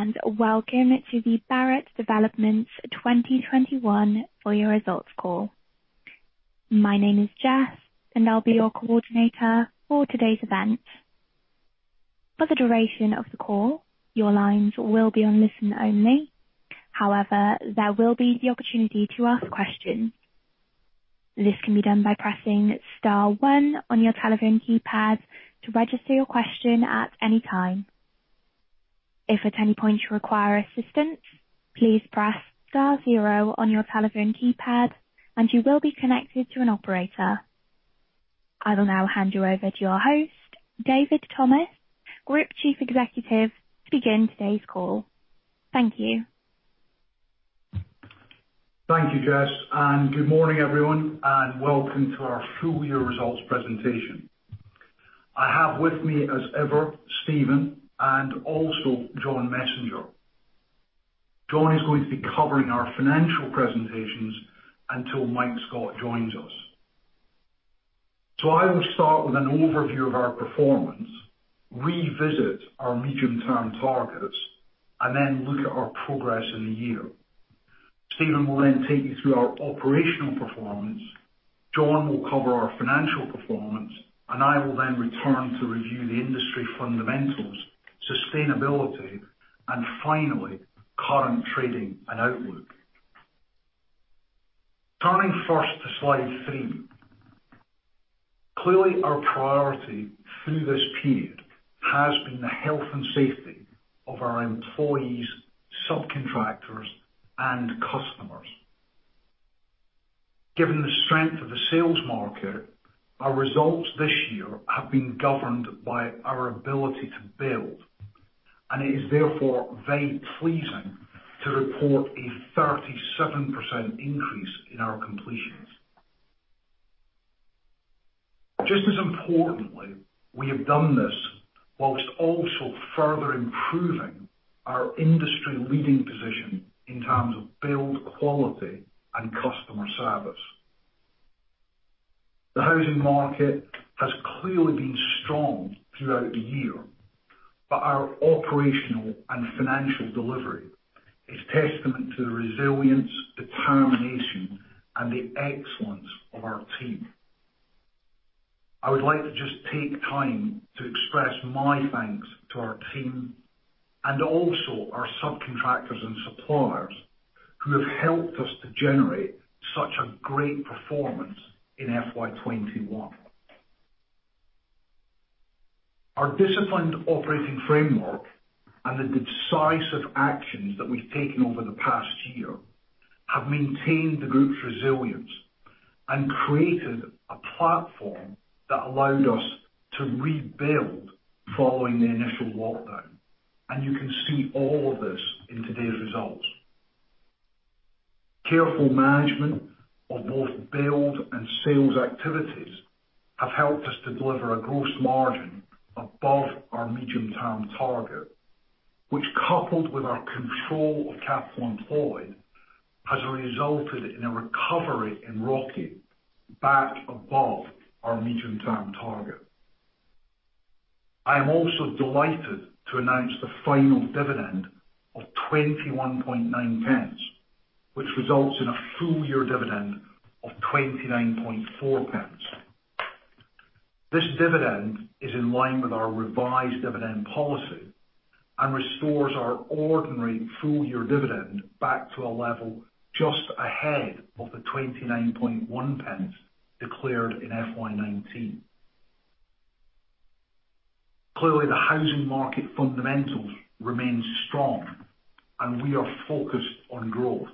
Hello, and welcome to the Barratt Developments 2021 full year results call. My name is Jess, and I'll be your coordinator for today's event. For the duration of the call, your lines will be on listen-only. However, there will be the opportunity to ask questions. This can be done by pressing star one on your telephone keypad to register your question at any time. If at any point you require assistance, please press star zero on your telephone keypad and you will be connected to an operator. I will now hand you over to your host, David Thomas, Group Chief Executive, to begin today's call. Thank you. Thank you, Jess. Good morning, everyone, and welcome to our full year results presentation. I have with me, as ever, Steven Boyes and also John Messenger. John is going to be covering our financial presentations until Mike Scott joins us. I will start with an overview of our performance, revisit our medium-term targets, and then look at our progress in the year. Steven Boyes will then take you through our operational performance, John will cover our financial performance, and I will then return to review the industry fundamentals, sustainability, and finally, current trading and outlook. Turning first to slide three. Clearly, our priority through this period has been the health and safety of our employees, subcontractors, and customers. Given the strength of the sales market, our results this year have been governed by our ability to build, and it is therefore very pleasing to report a 37% increase in our completions. Just as importantly, we have done this while also further improving our industry-leading position in terms of build quality and customer service. The housing market has clearly been strong throughout the year, but our operational and financial delivery is testament to the resilience, determination, and the excellence of our team. I would like to just take time to express my thanks to our team, and also our subcontractors and suppliers, who have helped us to generate such a great performance in FY 2021. Our disciplined operating framework and the decisive actions that we've taken over the past year have maintained the group's resilience and created a platform that allowed us to rebuild following the initial lockdown. You can see all of this in today's results. Careful management of both build and sales activities have helped us to deliver a gross margin above our medium-term target, which, coupled with our control of capital employed, has resulted in a recovery in ROCE back above our medium-term target. I am also delighted to announce the final dividend of 0.219, which results in a full year dividend of 0.294. This dividend is in line with our revised dividend policy and restores our ordinary full year dividend back to a level just ahead of the 0.291 declared in FY 2019. The housing market fundamentals remain strong, and we are focused on growth.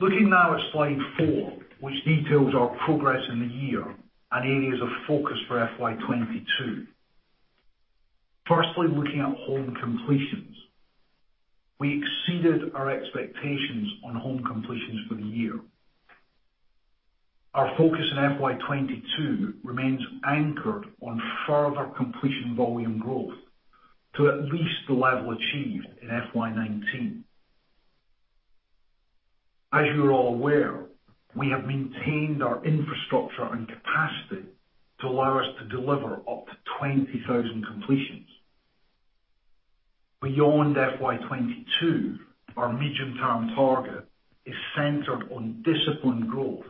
Looking now at slide 4, which details our progress in the year and areas of focus for FY 2022. Firstly, looking at home completions. We exceeded our expectations on home completions for the year. Our focus in FY 2022 remains anchored on further completion volume growth to at least the level achieved in FY 2019. As you are all aware, we have maintained our infrastructure and capacity to allow us to deliver up to 20,000 completions. Beyond FY 2022, our medium-term target is centered on disciplined growth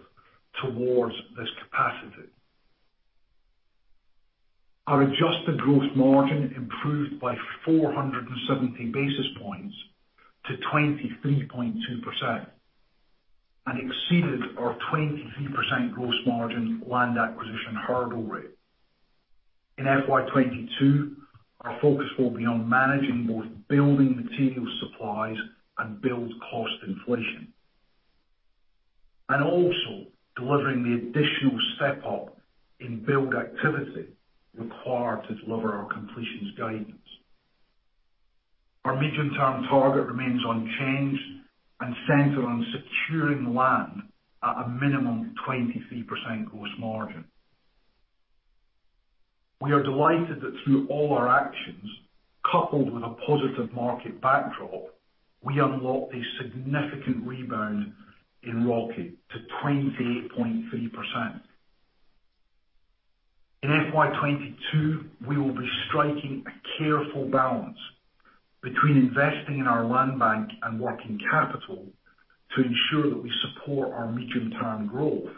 towards this capacity. Our adjusted gross margin improved by 470 basis points to 23.2% and exceeded our 23% gross margin land acquisition hurdle rate. In FY 2022, our focus will be on managing both building material supplies and build cost inflation, and also delivering the additional step up in build activity required to deliver our completions guidance. Our medium-term target remains unchanged and centered on securing land at a minimum 23% gross margin. We are delighted that through all our actions coupled with a positive market backdrop, we unlocked a significant rebound in ROCE to 28.3%. In FY 2022, we will be striking a careful balance between investing in our land bank and working capital to ensure that we support our medium-term growth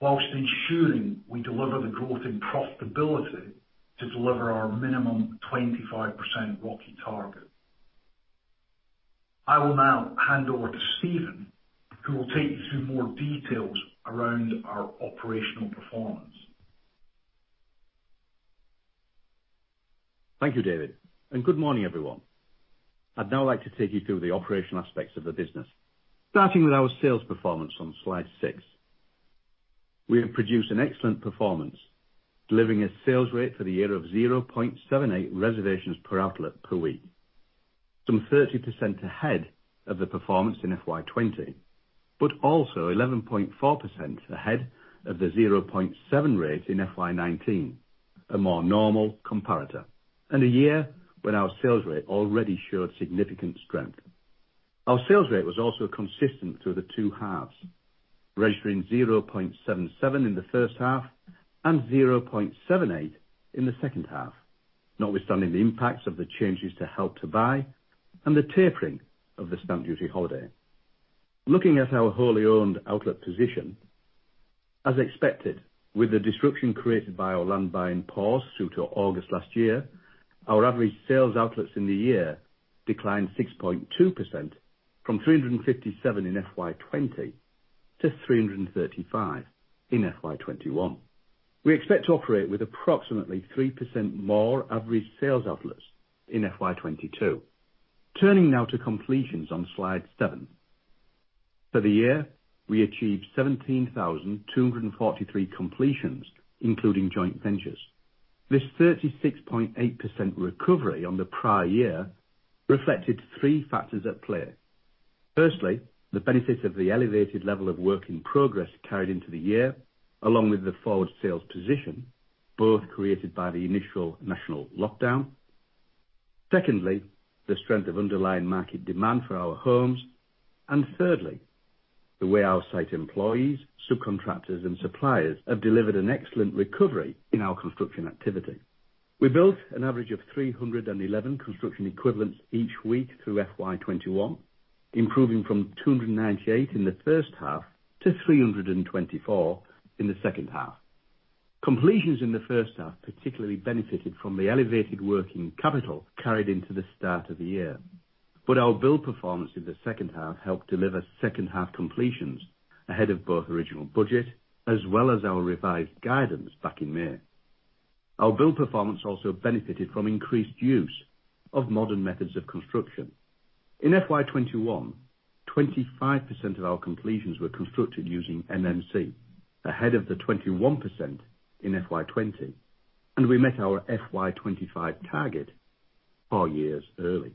whilst ensuring we deliver the growth and profitability to deliver our minimum 25% ROCE target. I will now hand over to Steven, who will take you through more details around our operational performance. Thank you, David. Good morning, everyone. I'd now like to take you through the operational aspects of the business, starting with our sales performance on slide six. We have produced an excellent performance, delivering a sales rate for the year of 0.78 reservations per outlet per week, some 30% ahead of the performance in FY 2020, but also 11.4% ahead of the 0.7 rate in FY 2019, a more normal comparator in a year when our sales rate already showed significant strength. Our sales rate was also consistent through the two halves, registering 0.77 in the first half and 0.78 in the second half, notwithstanding the impacts of the changes to Help to Buy and the tapering of the stamp duty holiday. Looking at our wholly owned outlet position, as expected, with the disruption created by our land buying pause through to August last year, our average sales outlets in the year declined 6.2%, from 357 in FY 2020 to 335 in FY 2021. We expect to operate with approximately 3% more average sales outlets in FY 2022. Turning now to completions on slide seven. For the year, we achieved 17,243 completions, including Joint Ventures. This 36.8% recovery on the prior year reflected three factors at play. Firstly, the benefits of the elevated level of work in progress carried into the year, along with the forward sales position, both created by the initial national lockdown. Secondly, the strength of underlying market demand for our homes. Thirdly, the way our site employees, subcontractors, and suppliers have delivered an excellent recovery in our construction activity. We built an average of 311 construction equivalents each week through FY 2021, improving from 298 in the first half to 324 in the second half. Completions in the first half particularly benefited from the elevated working capital carried into the start of the year. Our build performance in the second half helped deliver second half completions ahead of both original budget as well as our revised guidance back in May. Our build performance also benefited from increased use of modern methods of construction. In FY 2021, 25% of our completions were constructed using MMC, ahead of the 21% in FY 2020, and we met our FY 2025 target four years early.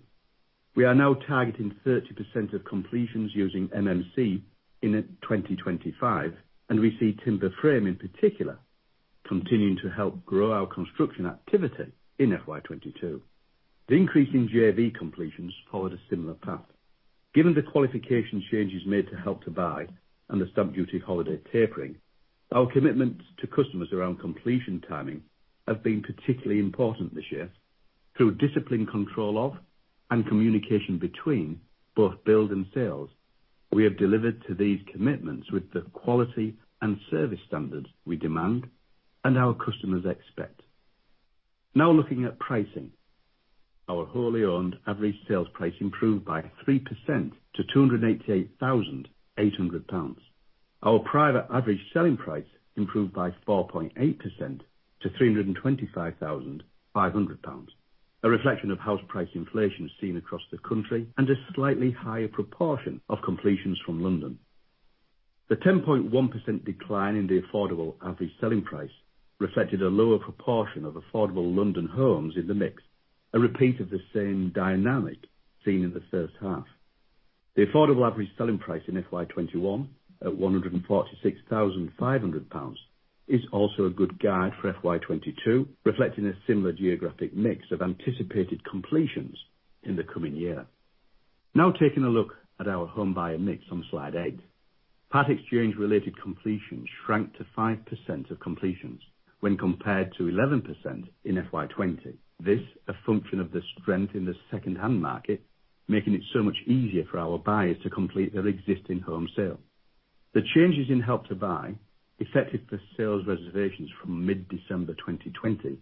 We are now targeting 30% of completions using MMC in 2025, and we see timber frame, in particular, continuing to help grow our construction activity in FY 2022. The increase in JV completions followed a similar path. Given the qualification changes made to Help to Buy and the stamp duty holiday tapering, our commitment to customers around completion timing have been particularly important this year. Through disciplined control of and communication between both build and sales, we have delivered to these commitments with the quality and service standards we demand and our customers expect. Now, looking at pricing. Our wholly owned average sales price improved by 3% to 288,800 pounds. Our private average selling price improved by 4.8% to 325,500 pounds, a reflection of house price inflation seen across the country and a slightly higher proportion of completions from London. The 10.1% decline in the affordable average selling price reflected a lower proportion of affordable London homes in the mix, a repeat of the same dynamic seen in the first half. The affordable average selling price in FY 2021, at GBP 146,500, is also a good guide for FY 2022, reflecting a similar geographic mix of anticipated completions in the coming year. Taking a look at our homebuyer mix on slide eight. Part exchange related completions shrank to 5% of completions when compared to 11% in FY 2020. This is a function of the strength in the secondhand market, making it so much easier for our buyers to complete their existing home sale. The changes in Help to Buy, effective for sales reservations from mid-December 2020,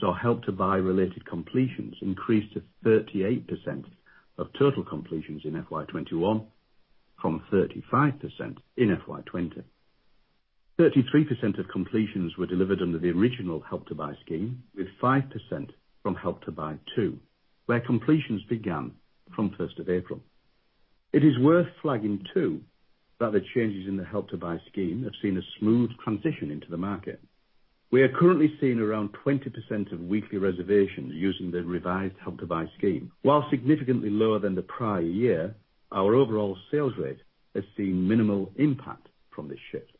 saw Help to Buy related completions increase to 38% of total completions in FY 2021 from 35% in FY 2020. 33% of completions were delivered under the original Help to Buy scheme, with 5% from Help to Buy 2, where completions began from 1st of April. It is worth flagging too, that the changes in the Help to Buy scheme have seen a smooth transition into the market. We are currently seeing around 20% of weekly reservations using the revised Help to Buy scheme. While significantly lower than the prior year, our overall sales rate has seen minimal impact from this shift.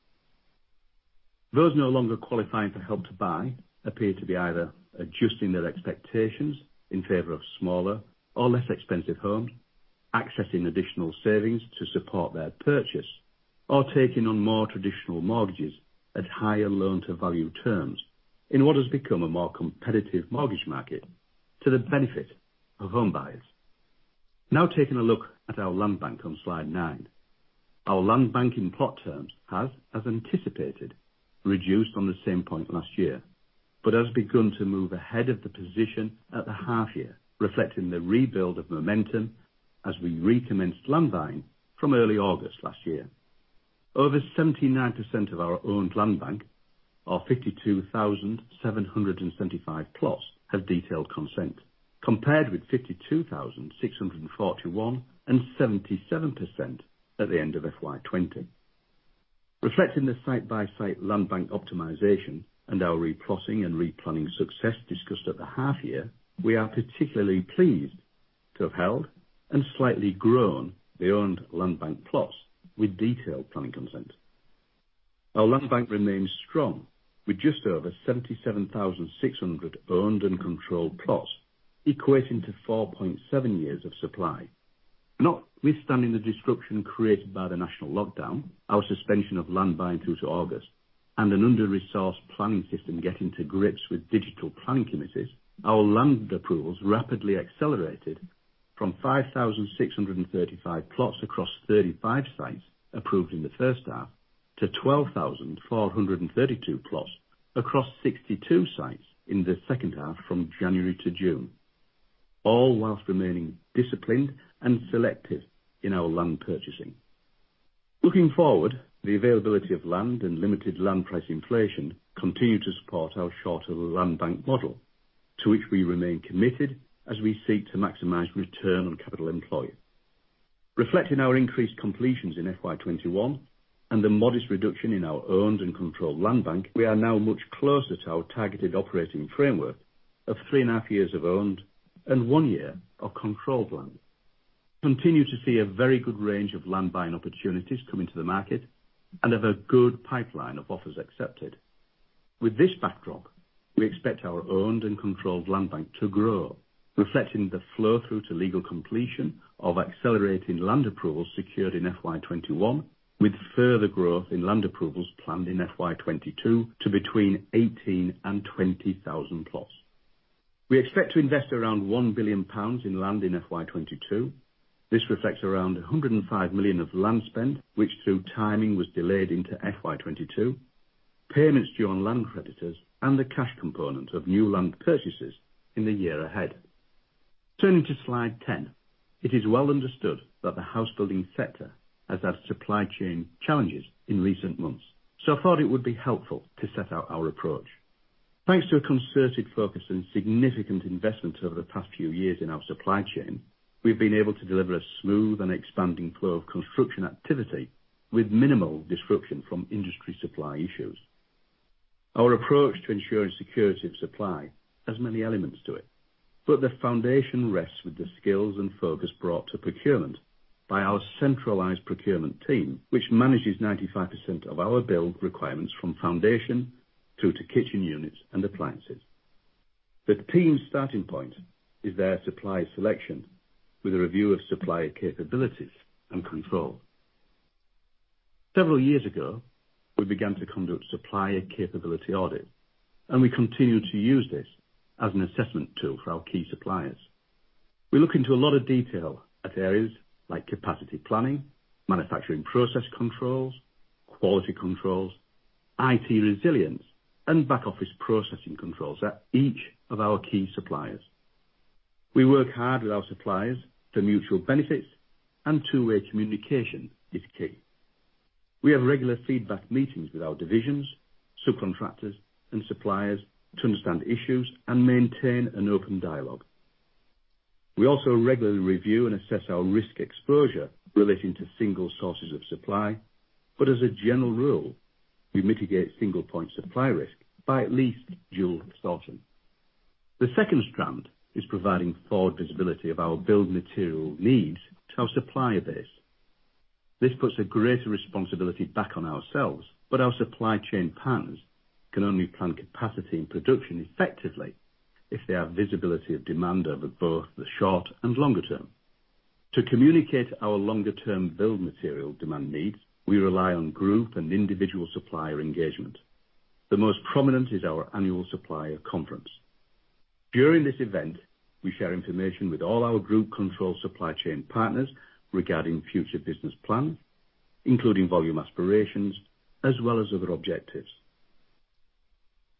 Those no longer qualifying for Help to Buy appear to be either adjusting their expectations in favor of smaller or less expensive homes, accessing additional savings to support their purchase, or taking on more traditional mortgages at higher loan-to-value terms in what has become a more competitive mortgage market to the benefit of home buyers. Taking a look at our land bank on slide nine. Our land bank in plot terms has, as anticipated, reduced from the same point last year, but has begun to move ahead of the position at the half year, reflecting the rebuild of momentum as we recommenced land buying from early August last year. Over 79% of our owned land bank, our 52,775 plots have detailed consent, compared with 52,641 and 77% at the end of FY 2020. Reflecting the site-by-site land bank optimization and our re-plotting and re-planning success discussed at the half year, we are particularly pleased to have held and slightly grown the owned land bank plots with detailed planning consent. Our land bank remains strong with just over 77,600 owned and controlled plots, equating to 4.7 years of supply. Notwithstanding the disruption created by the national lockdown, our suspension of land buying through to August, and an under-resourced planning system getting to grips with digital planning committees, our land approvals rapidly accelerated from 5,635 plots across 35 sites approved in the first half to 12,432 plots across 62 sites in the second half from January to June, all whilst remaining disciplined and selective in our land purchasing. Looking forward, the availability of land and limited land price inflation continue to support our shorter land bank model, to which we remain committed as we seek to maximize return on capital employed. Reflecting our increased completions in FY 2021 and the modest reduction in our owned and controlled land bank, we are now much closer to our targeted operating framework of three and a half years of owned and one year of controlled land. We continue to see a very good range of land buying opportunities coming to the market and have a good pipeline of offers accepted. With this backdrop, we expect our owned and controlled land bank to grow, reflecting the flow through to legal completion of accelerating land approvals secured in FY 2021, with further growth in land approvals planned in FY 2022 to between 18,000 and 20,000 plots. We expect to invest around 1 billion pounds in land in FY 2022. This reflects around 105 million of land spend, which through timing was delayed into FY 2022, payments due on land creditors, and the cash component of new land purchases in the year ahead. Turning to slide 10. It is well understood that the house building sector has had supply chain challenges in recent months, I thought it would be helpful to set out our approach. Thanks to a concerted focus and significant investment over the past few years in our supply chain, we've been able to deliver a smooth and expanding flow of construction activity with minimal disruption from industry supply issues. Our approach to ensuring security of supply has many elements to it, but the foundation rests with the skills and focus brought to procurement by our centralized procurement team, which manages 95% of our build requirements from foundation through to kitchen units and appliances. The team's starting point is their supplier selection with a review of supplier capabilities and control. Several years ago, we began to conduct supplier capability audits, and we continue to use this as an assessment tool for our key suppliers. We look into a lot of detail at areas like capacity planning, manufacturing process controls, quality controls, IT resilience, and back office processing controls at each of our key suppliers. We work hard with our suppliers for mutual benefits and two-way communication is key. We have regular feedback meetings with our divisions, subcontractors, and suppliers to understand issues and maintain an open dialogue. We also regularly review and assess our risk exposure relating to single sources of supply. As a general rule, we mitigate single-point supply risk by at least dual sourcing. The second strand is providing forward visibility of our build material needs to our supplier base. This puts a greater responsibility back on ourselves, our supply chain partners can only plan capacity and production effectively if they have visibility of demand over both the short and longer term. To communicate our longer term build material demand needs, we rely on group and individual supplier engagement. The most prominent is our annual supplier conference. During this event, we share information with all our group control supply chain partners regarding future business plans, including volume aspirations as well as other objectives.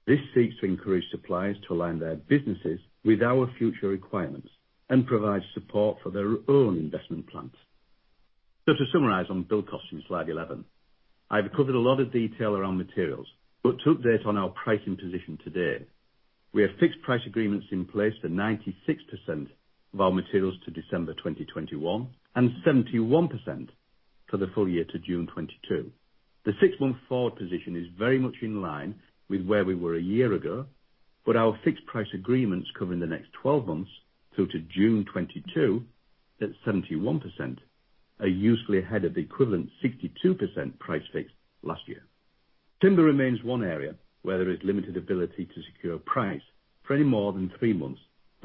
This seeks to encourage suppliers to align their businesses with our future requirements and provide support for their own investment plans. To summarize on build costs in slide 11, I've covered a lot of detail around materials, but to update on our pricing position today, we have fixed price agreements in place for 96% of our materials to December 2021 and 71% for the full year to June 2022. The six-month forward position is very much in line with where we were a year ago, but our fixed price agreements covering the next 12 months through to June 2022 at 71% are usefully ahead of the equivalent 62% price fix last year. Timber remains one area where there is limited ability to secure price for any more than three months.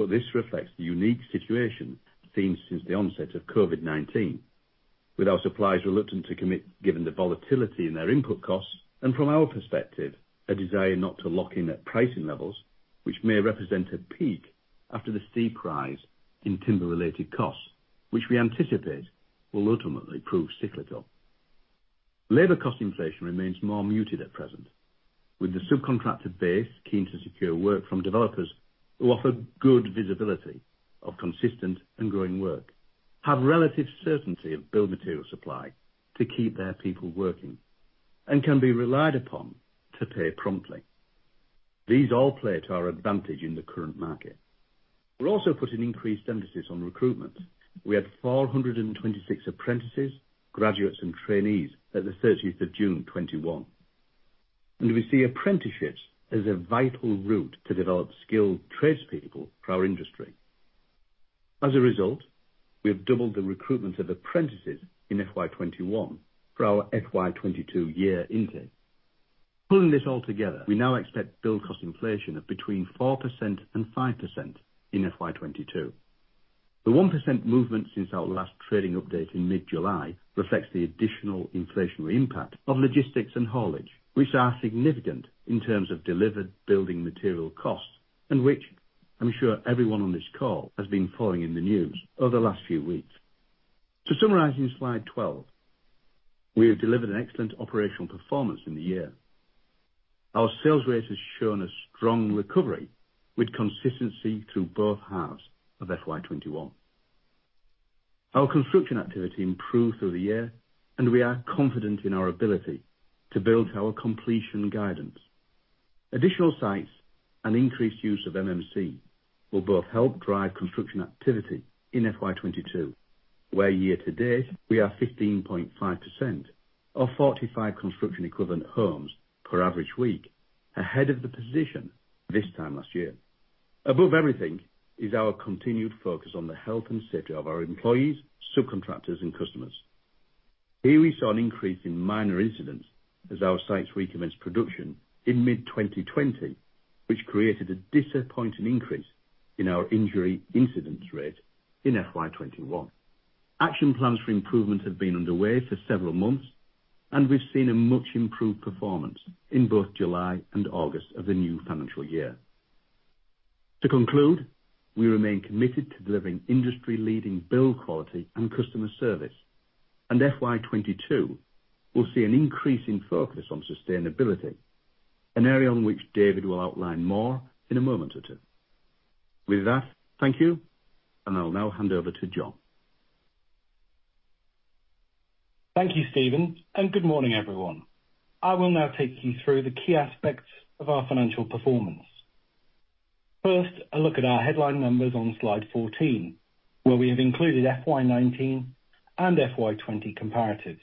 This reflects the unique situation seen since the onset of COVID-19, with our suppliers reluctant to commit given the volatility in their input costs. From our perspective, a desire not to lock in at pricing levels, which may represent a peak after the steep rise in timber-related costs, which we anticipate will ultimately prove cyclical. Labor cost inflation remains more muted at present, with the subcontractor base keen to secure work from developers who offer good visibility of consistent and growing work, have relative certainty of build material supply to keep their people working, and can be relied upon to pay promptly. These all play to our advantage in the current market. We are also putting increased emphasis on recruitment. We had 426 apprentices, graduates, and trainees at the 30th of June 2021. We see apprenticeships as a vital route to develop skilled tradespeople for our industry. As a result, we have doubled the recruitment of apprentices in FY 2021 for our FY 2022 year intake. Pulling this all together, we now expect build cost inflation of between 4% and 5% in FY 2022. The 1% movement since our last trading update in mid-July reflects the additional inflationary impact of logistics and haulage, which are significant in terms of delivered building material costs, and which I'm sure everyone on this call has been following in the news over the last few weeks. To summarize in slide 12, we have delivered an excellent operational performance in the year. Our sales rate has shown a strong recovery, with consistency through both halves of FY 2021. Our construction activity improved through the year, and we are confident in our ability to build our completion guidance. Additional sites and increased use of MMC will both help drive construction activity in FY 2022, where year to date, we are 15.5% of 45 construction equivalent homes per average week, ahead of the position this time last year. Above everything is our continued focus on the health and safety of our employees, subcontractors, and customers. Here, we saw an increase in minor incidents as our sites recommenced production in mid-2020, which created a disappointing increase in our injury incidence rate in FY 2021. Action plans for improvement have been underway for several months, and we've seen a much improved performance in both July and August of the new financial year. To conclude, we remain committed to delivering industry-leading build quality and customer service, and FY 2022 will see an increase in focus on sustainability, an area in which David will outline more in a moment or two. With that, thank you, and I'll now hand over to John. Thank you, Steven, and good morning, everyone. I will now take you through the key aspects of our financial performance. First, a look at our headline numbers on slide 14, where we have included FY 2019 and FY 2020 comparatives.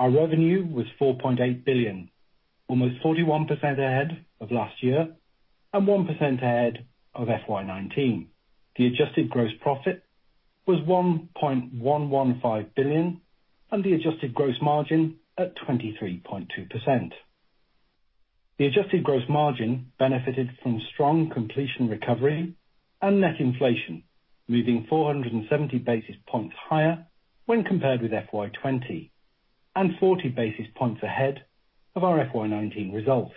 Our revenue was 4.8 billion, almost 41% ahead of last year and 1% ahead of FY 2019. The adjusted gross profit was 1.115 billion, and the adjusted gross margin at 23.2%. The adjusted gross margin benefited from strong completion recovery and net inflation, moving 470 basis points higher when compared with FY 2020, and 40 basis points ahead of our FY 2019 results.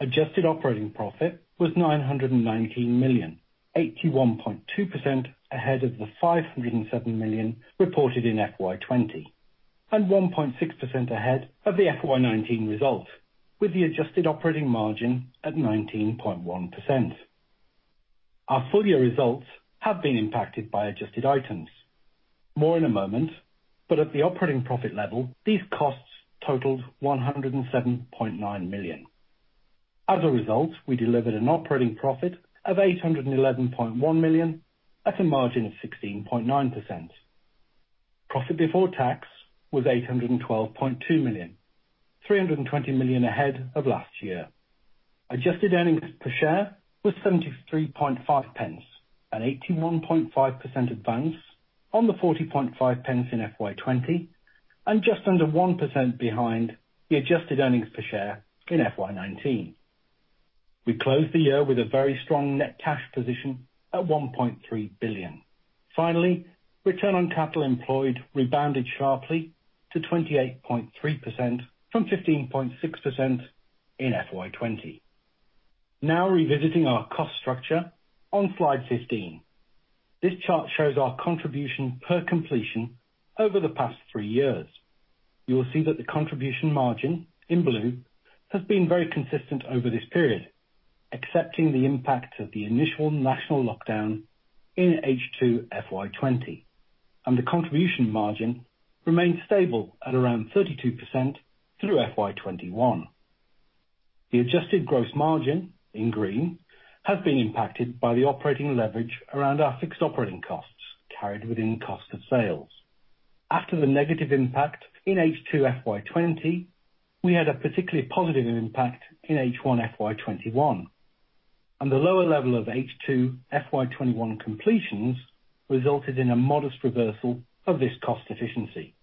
Adjusted operating profit was 919 million, 81.2% ahead of the 507 million reported in FY 2020, and 1.6% ahead of the FY 2019 result, with the adjusted operating margin at 19.1%. Our full year results have been impacted by adjusted items. More in a moment, at the operating profit level, these costs totaled 107.9 million. As a result, we delivered an operating profit of 811.1 million, at a margin of 16.9%. Profit before tax was 812.2 million, 320 million ahead of last year. Adjusted earnings per share was 0.735, an 81.5% advance on the 0.405 in FY20, and just under 1% behind the adjusted earnings per share in FY19. We closed the year with a very strong net cash position at 1.3 billion. Finally, return on capital employed rebounded sharply to 28.3% from 15.6% in FY20. Revisiting our cost structure on slide 15. This chart shows our contribution per completion over the past three years. You will see that the contribution margin, in blue, has been very consistent over this period, excepting the impact of the initial national lockdown in H2 FY 2020. The contribution margin remained stable at around 32% through FY 2021. The adjusted gross margin, in green, has been impacted by the operating leverage around our fixed operating costs carried within cost of sales. After the negative impact in H2 FY 2020, we had a particularly positive impact in H1 FY 2021. The lower level of H2 FY 2021 completions resulted in a modest reversal of this cost efficiency.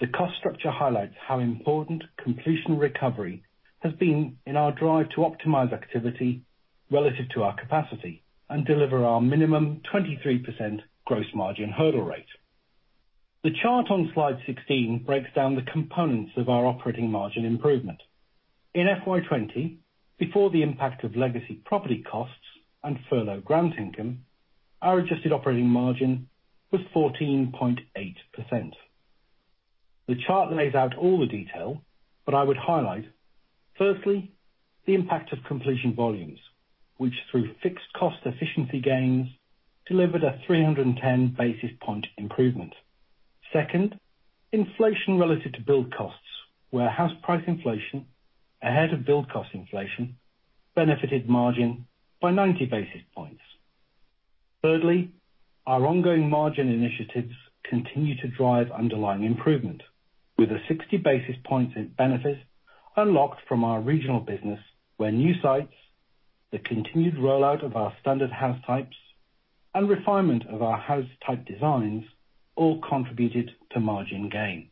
The cost structure highlights how important completion recovery has been in our drive to optimize activity relative to our capacity and deliver our minimum 23% gross margin hurdle rate. The chart on slide 16 breaks down the components of our operating margin improvement. In FY 2020, before the impact of legacy property costs and furlough grant income, our adjusted operating margin was 14.8%. The chart lays out all the detail, but I would highlight firstly, the impact of completion volumes, which through fixed cost efficiency gains, delivered a 310 basis point improvement. Second, inflation relative to build costs, where house price inflation ahead of build cost inflation benefited margin by 90 basis points. Thirdly, our ongoing margin initiatives continue to drive underlying improvement with a 60 basis points in benefit unlocked from our regional business where new sites, the continued rollout of our standard house types, and refinement of our house type designs all contributed to margin gain.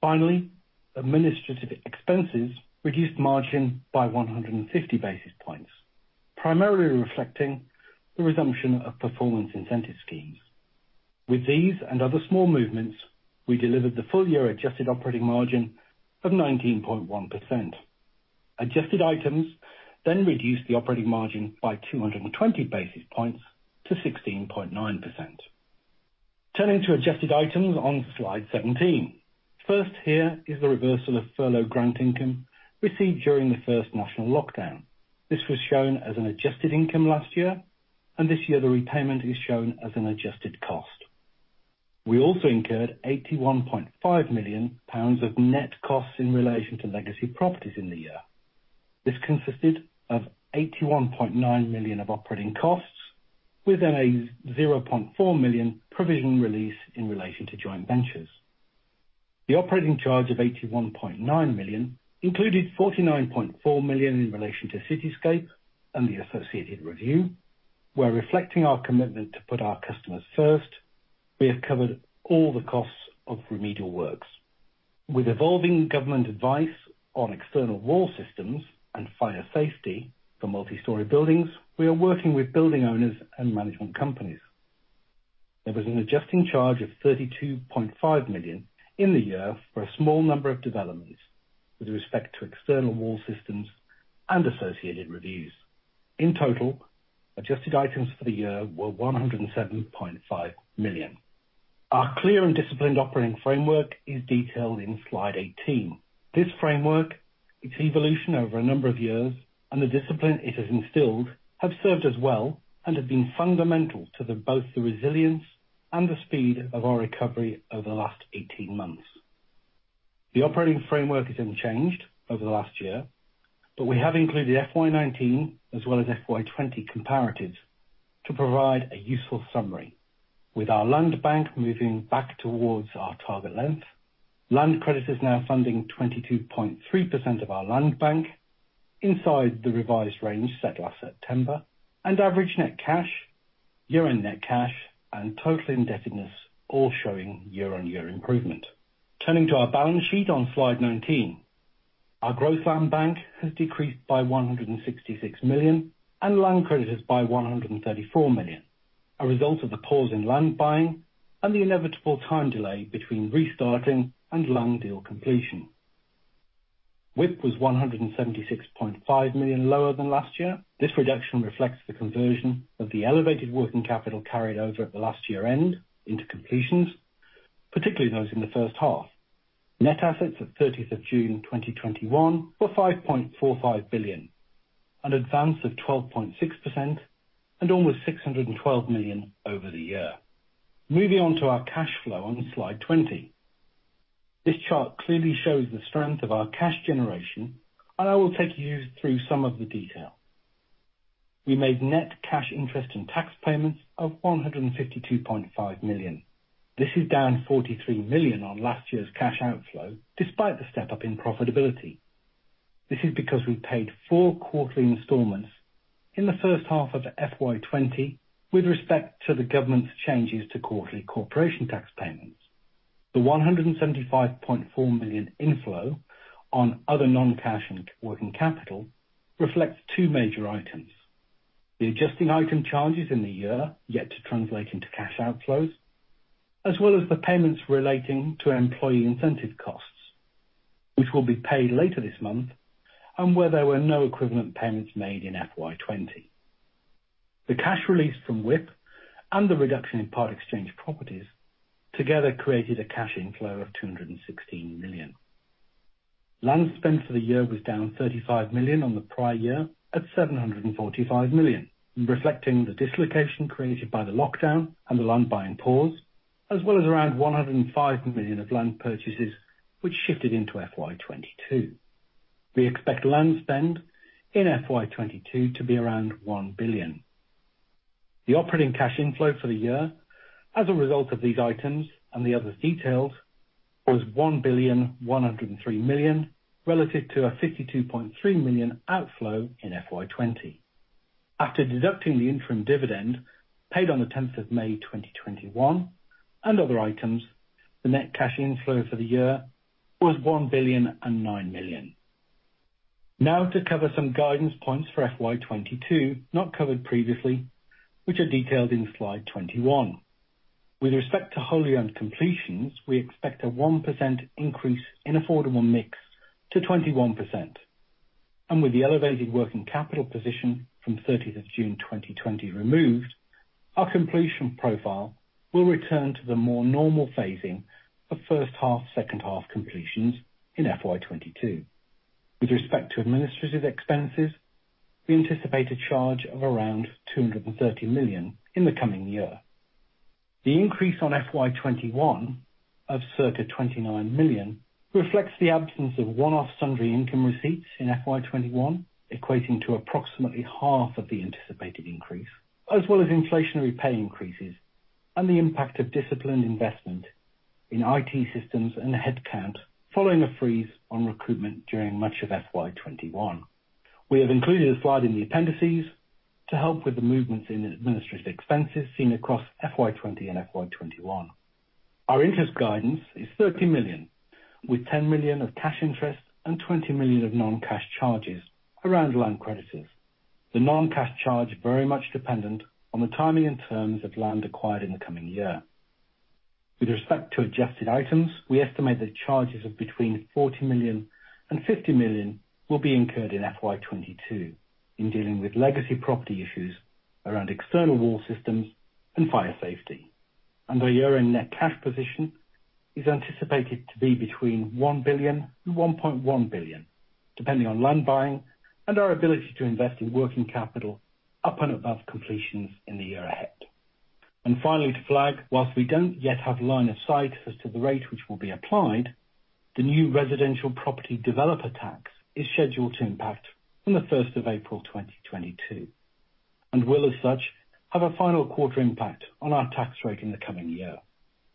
Finally, administrative expenses reduced margin by 150 basis points, primarily reflecting the resumption of performance incentive schemes. With these and other small movements, we delivered the full-year adjusted operating margin of 19.1%. Adjusted items reduced the operating margin by 220 basis points to 16.9%. Turning to adjusted items on slide 17. Here is the reversal of furlough grant income received during the first national lockdown. This was shown as an adjusted income last year, and this year the repayment is shown as an adjusted cost. We also incurred 81.5 million pounds of net costs in relation to legacy properties in the year. This consisted of 81.9 million of operating costs with an 0.4 million provision release in relation to joint ventures. The operating charge of 81.9 million included 49.4 million in relation to Citiscape and the associated review. We're reflecting our commitment to put our customers first, we have covered all the costs of remedial works. With evolving government advice on external wall systems and fire safety for multi-story buildings, we are working with building owners and management companies. There was an adjusting charge of 32.5 million in the year for a small number of developments with respect to external wall systems and associated reviews. In total, adjusted items for the year were 107.5 million. Our clear and disciplined operating framework is detailed in slide 18. This framework, its evolution over a number of years, and the discipline it has instilled have served us well and have been fundamental to both the resilience and the speed of our recovery over the last 18 months. The operating framework is unchanged over the last year, but we have included FY 2019 as well as FY 2020 comparatives to provide a useful summary. With our land bank moving back towards our target length, land credit is now funding 22.3% of our land bank inside the revised range set last September, and average net cash, year-end net cash, and total indebtedness all showing year-on-year improvement. Turning to our balance sheet on slide 19. Our growth land bank has decreased by 166 million and land credit is by 134 million, a result of the pause in land buying and the inevitable time delay between restarting and land deal completion. WIP was 176.5 million lower than last year. This reduction reflects the conversion of the elevated working capital carried over at the last year-end into completions, particularly those in the first half. Net assets at 30th of June 2021 were 5.45 billion, an advance of 12.6% and almost 612 million over the year. Moving on to our cash flow on slide 20. This chart clearly shows the strength of our cash generation. I will take you through some of the detail. We made net cash interest and tax payments of 152.5 million. This is down 43 million on last year's cash outflow despite the step up in profitability. This is because we paid four quarterly installments in the first half of FY 2020 with respect to the government's changes to quarterly corporation tax payments. The 175.4 million inflow on other non-cash and working capital reflects two major items. The adjusting item charges in the year yet to translate into cash outflows, as well as the payments relating to employee incentive costs, which will be paid later this month and where there were no equivalent payments made in FY 2020. The cash release from WIP and the reduction in part exchange properties together created a cash inflow of 216 million. Land spend for the year was down 35 million on the prior year at 745 million, reflecting the dislocation created by the lockdown and the land buying pause, as well as around 105 million of land purchases, which shifted into FY 2022. We expect land spend in FY 2022 to be around 1 billion. The operating cash inflow for the year as a result of these items and the other details was 1,103 million relative to a 52.3 million outflow in FY 2020. After deducting the interim dividend paid on the 10th of May 2021 and other items, the net cash inflow for the year was 1,009 million. Now to cover some guidance points for FY 2022 not covered previously, which are detailed in slide 21. With respect to wholly owned completions, we expect a 1% increase in affordable mix to 21%. With the elevated working capital position from 30th of June 2020 removed, our completion profile will return to the more normal phasing of first half, second half completions in FY 2022. With respect to administrative expenses, we anticipate a charge of around 230 million in the coming year. The increase on FY 2021 of circa 29 million reflects the absence of one-off sundry income receipts in FY 2021, equating to approximately half of the anticipated increase, as well as inflationary pay increases and the impact of disciplined investment in IT systems and headcount following a freeze on recruitment during much of FY 2021. We have included a slide in the appendices to help with the movements in administrative expenses seen across FY 2020 and FY 2021. Our interest guidance is 30 million, with 10 million of cash interest and 20 million of non-cash charges around land creditors. The non-cash charge very much dependent on the timing and terms of land acquired in the coming year. With respect to adjusted items, we estimate that charges of between 40 million and 50 million will be incurred in FY 2022 in dealing with legacy property issues around external wall systems and fire safety. Our year-end net cash position is anticipated to be between 1 billion and 1.1 billion, depending on land buying and our ability to invest in working capital up and above completions in the year ahead. Finally, while we don't yet have line of sight as to the rate which will be applied, the new Residential Property Developer Tax is scheduled to impact from the 1st of April 2022, and will, as such, have a final quarter impact on our tax rate in the coming year.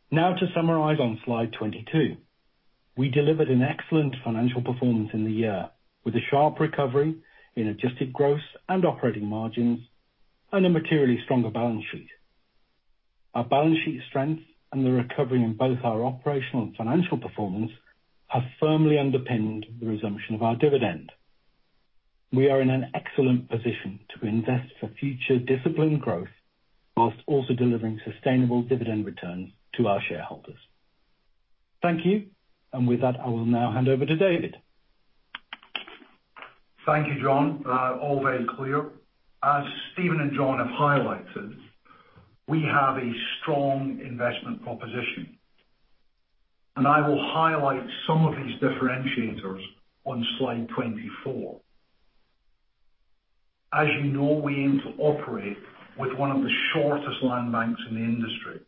Now to summarize on slide 22. We delivered an excellent financial performance in the year with a sharp recovery in adjusted gross and operating margins and a materially stronger balance sheet. Our balance sheet strength and the recovery in both our operational and financial performance have firmly underpinned the resumption of our dividend. We are in an excellent position to invest for future disciplined growth while also delivering sustainable dividend returns to our shareholders. Thank you. With that, I will now hand over to David. Thank you, John. All very clear. As Steven and John have highlighted, we have a strong investment proposition. I will highlight some of these differentiators on slide 24. As you know, we aim to operate with one of the shortest land banks in the industry.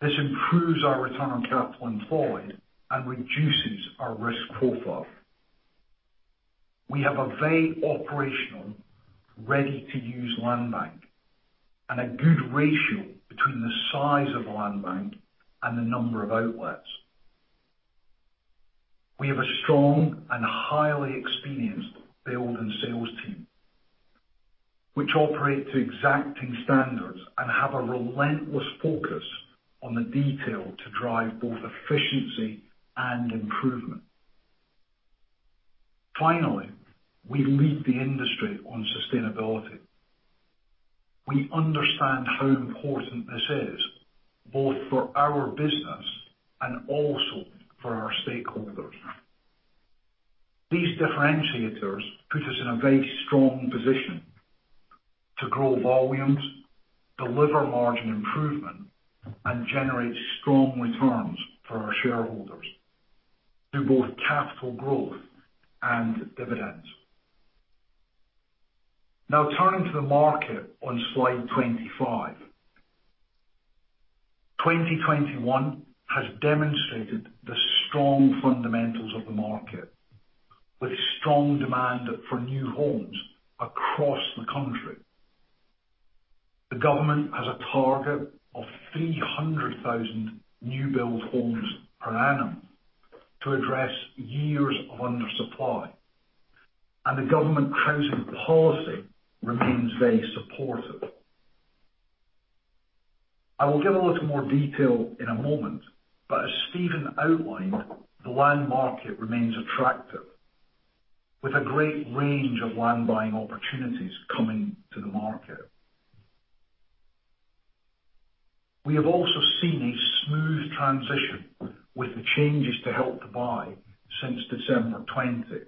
This improves our return on capital employed and reduces our risk profile. We have a very operational, ready-to-use land bank and a good ratio between the size of the land bank and the number of outlets. We have a strong and highly experienced build and sales team, which operate to exacting standards and have a relentless focus on the detail to drive both efficiency and improvement. Finally, we lead the industry on sustainability. We understand how important this is, both for our business and also for our stakeholders. These differentiators put us in a very strong position to grow volumes, deliver margin improvement, and generate strong returns for our shareholders through both capital growth and dividends. Turning to the market on slide 25. 2021 has demonstrated the strong fundamentals of the market with strong demand for new homes across the country. The government has a target of 300,000 new build homes per annum to address years of undersupply, and the government housing policy remains very supportive. I will give a little more detail in a moment, but as Steven outlined, the land market remains attractive with a great range of land buying opportunities coming to the market. We have also seen a smooth transition with the changes to Help to Buy since December 2020.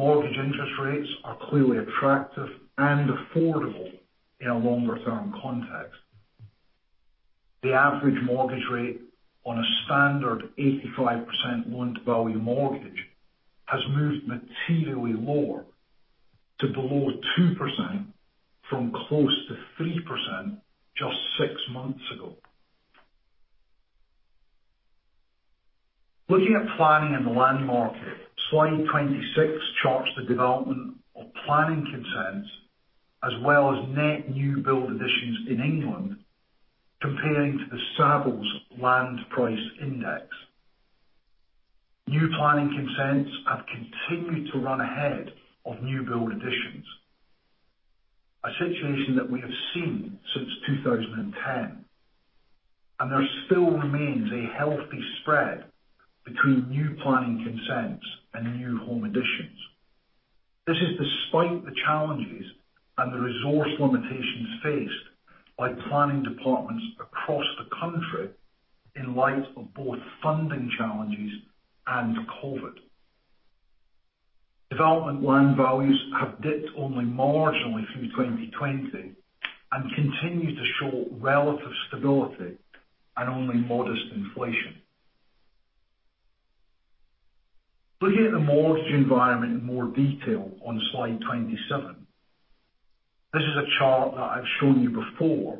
Mortgage interest rates are clearly attractive and affordable in a longer term context. The average mortgage rate on a standard 85% loan-to-value mortgage has moved materially lower to below 2% from close to 3% just six months ago. Looking at planning and the land market, slide 26 charts the development of planning consents as well as net new build additions in England comparing to the Savills Land Price Index. New planning consents have continued to run ahead of new build additions, a situation that we have seen since 2010, and there still remains a healthy spread between new planning consents and new home additions. This is despite the challenges and the resource limitations faced by planning departments across the country in light of both funding challenges and COVID. Development land values have dipped only marginally through 2020 and continue to show relative stability and only modest inflation. Looking at the mortgage environment in more detail on slide 27. This is a chart that I've shown you before,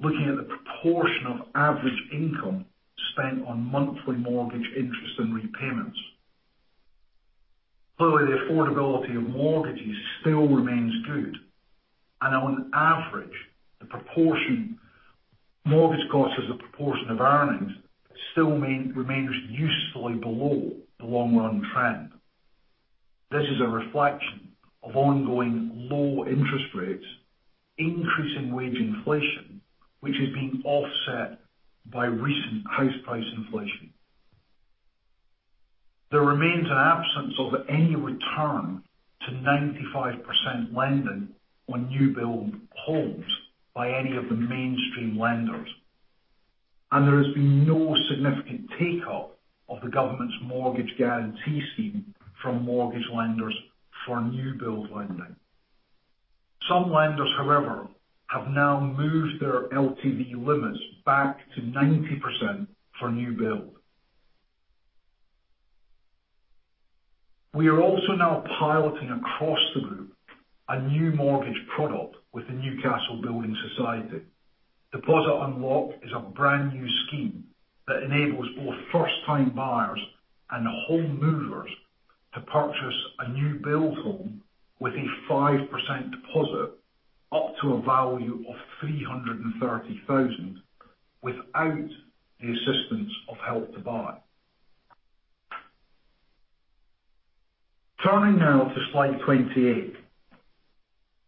looking at the proportion of average income spent on monthly mortgage interest and repayments. Clearly, the affordability of mortgages still remains good and on average, mortgage costs as a proportion of earnings still remains usefully below the long run trend. This is a reflection of ongoing low interest rates, increasing wage inflation, which is being offset by recent house price inflation. There remains an absence of any return to 95% lending on new build homes by any of the mainstream lenders, and there has been no significant take up of the government's mortgage guarantee scheme from mortgage lenders for new build lending. Some lenders, however, have now moved their LTV limits back to 90% for new build. We are also now piloting across the group a new mortgage product with the Newcastle Building Society. Deposit Unlock is a brand new scheme that enables both first time buyers and home movers to purchase a new build home with a 5% deposit up to a value of 330,000 without the assistance of Help to Buy. Turning now to slide 28.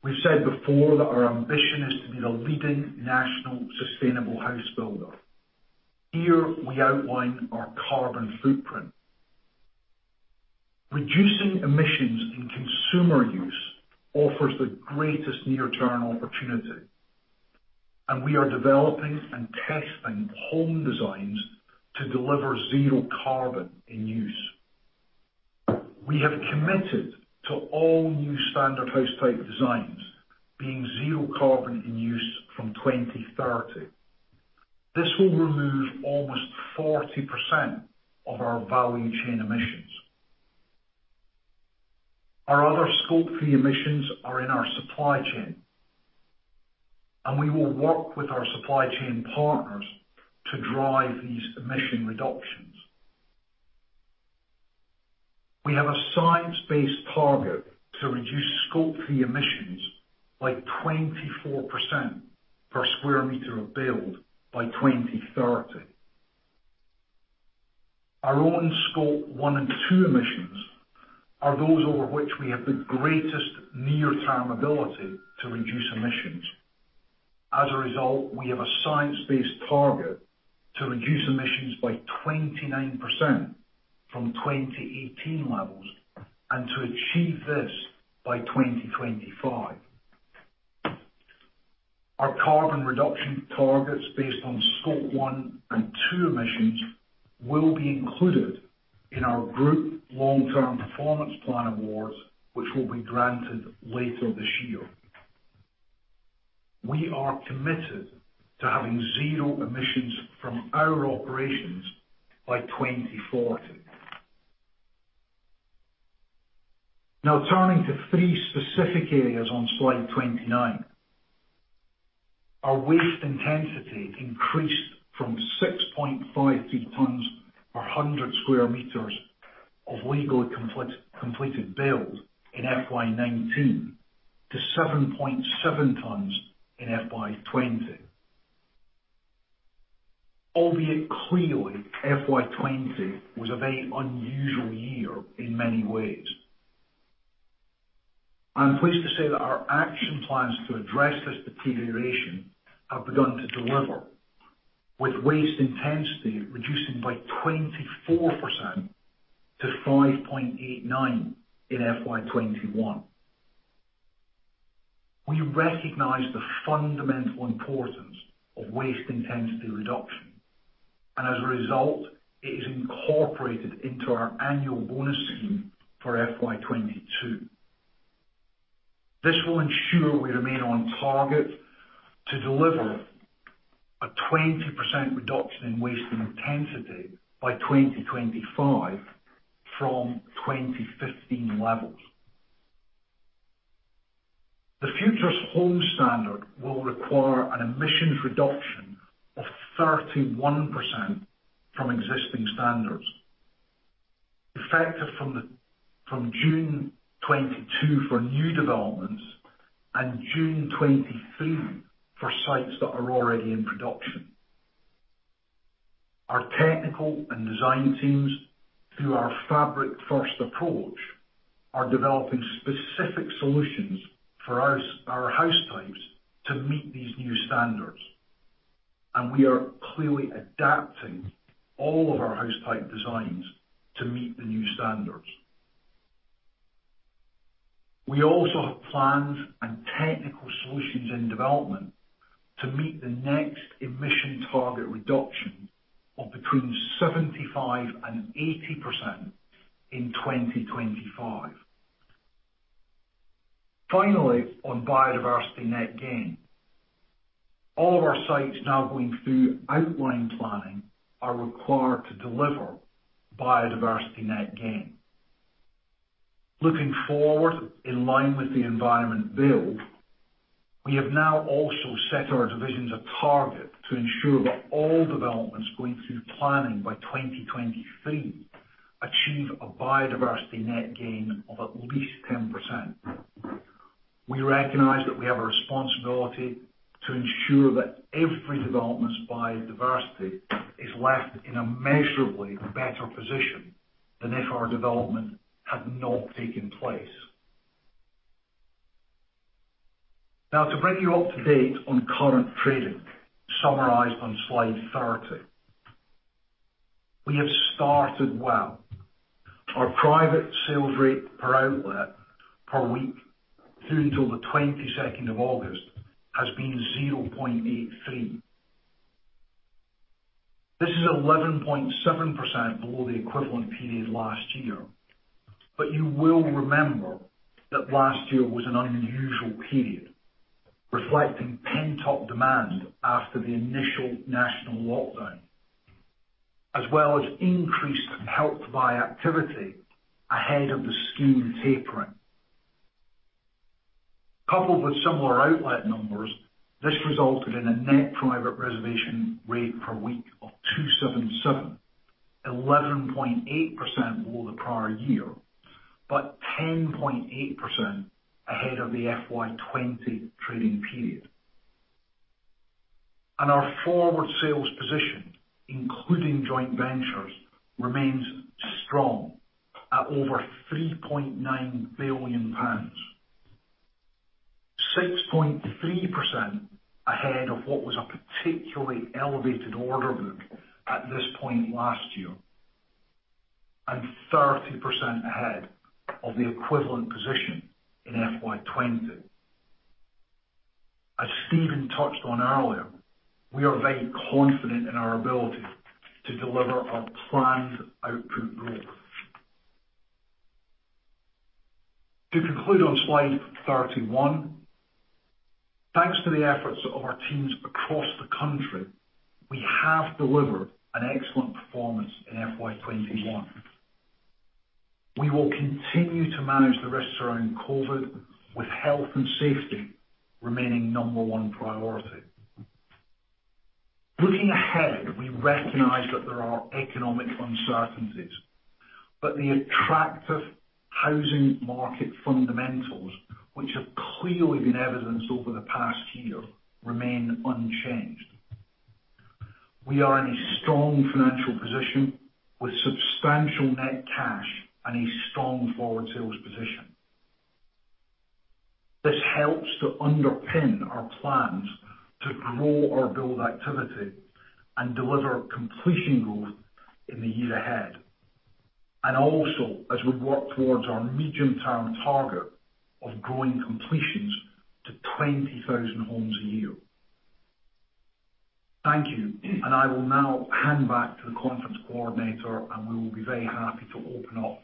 We've said before that our ambition is to be the leading national sustainable house builder. Here we outline our carbon footprint. Reducing emissions in consumer use offers the greatest near term opportunity. We are developing and testing home designs to deliver zero carbon in use. We have committed to all new standard house type designs being zero carbon in use from 2030. This will remove almost 40% of our value chain emissions. Our other scope 3 emissions are in our supply chain. We will work with our supply chain partners to drive these emission reductions. We have a science based target to reduce scope 3 emissions by 24% per sq m of build by 2030. Our own scope 1 and 2 emissions are those over which we have the greatest near term ability to reduce emissions. As a result, we have a science based target to reduce emissions by 29% from 2018 levels and to achieve this by 2025. Our carbon reduction targets based on scope 1 and 2 emissions will be included in our group long term performance plan awards, which will be granted later this year. We are committed to having 0 emissions from our operations by 2040. Now turning to three specific areas on slide 29. Our waste intensity increased from 6.53 tons per 100 sq m of legally completed build in FY 2019 to 7.7 tons in FY 2020. Albeit clearly, FY 2020 was a very unusual year in many ways. I'm pleased to say that our action plans to address this deterioration have begun to deliver, with waste intensity reducing by 24% to 5.89 in FY 2021. We recognize the fundamental importance of waste intensity reduction, and as a result, it is incorporated into our annual bonus scheme for FY 2022. This will ensure we remain on target to deliver a 20% reduction in waste intensity by 2025 from 2015 levels. The Future Homes Standard will require an emissions reduction of 31% from existing standards, effective from June 2022 for new developments and June 2023 for sites that are already in production. Our technical and design teams, through our fabric-first approach, are developing specific solutions for our house types to meet these new standards, and we are clearly adapting all of our house type designs to meet the new standards. We also have plans and technical solutions in development to meet the next emission target reduction of between 75% and 80% in 2025. Finally, on biodiversity net gain. All of our sites now going through outline planning are required to deliver biodiversity net gain. Looking forward, in line with the Environment Bill, we have now also set our divisions a target to ensure that all developments going through planning by 2023 achieve a biodiversity net gain of at least 10%. We recognize that we have a responsibility to ensure that every development's biodiversity is left in a measurably better position than if our development had not taken place. Now, to bring you up to date on current trading, summarized on slide 30. We have started well. Our private sales rate per outlet per week through until the 22nd of August has been 0.83. This is 11.7% below the equivalent period last year. You will remember that last year was an unusual period, reflecting pent-up demand after the initial national lockdown, as well as increased Help to Buy activity ahead of the scheme tapering. Coupled with similar outlet numbers, this resulted in a net private reservation rate per week of 277, 11.8% below the prior year, but 10.8% ahead of the FY 2020 trading period. Our forward sales position, including joint ventures, remains strong at over GBP 3.9 billion, 6.3% ahead of what was a particularly elevated order book at this point last year, and 30% ahead of the equivalent position in FY 2020. As Steven touched on earlier, we are very confident in our ability to deliver our planned output growth. To conclude on slide 31, thanks to the efforts of our teams across the country, we have delivered an excellent performance in FY 2021. We will continue to manage the risks around COVID, with health and safety remaining number one priority. Looking ahead, we recognize that there are economic uncertainties, but the attractive housing market fundamentals, which have clearly been evidenced over the past year, remain unchanged. We are in a strong financial position with substantial net cash and a strong forward sales position. This helps to underpin our plans to grow our build activity and deliver completion growth in the year ahead. Also, as we work towards our medium-term target of growing completions to 20,000 homes a year. Thank you. I will now hand back to the conference coordinator, and we will be very happy to open up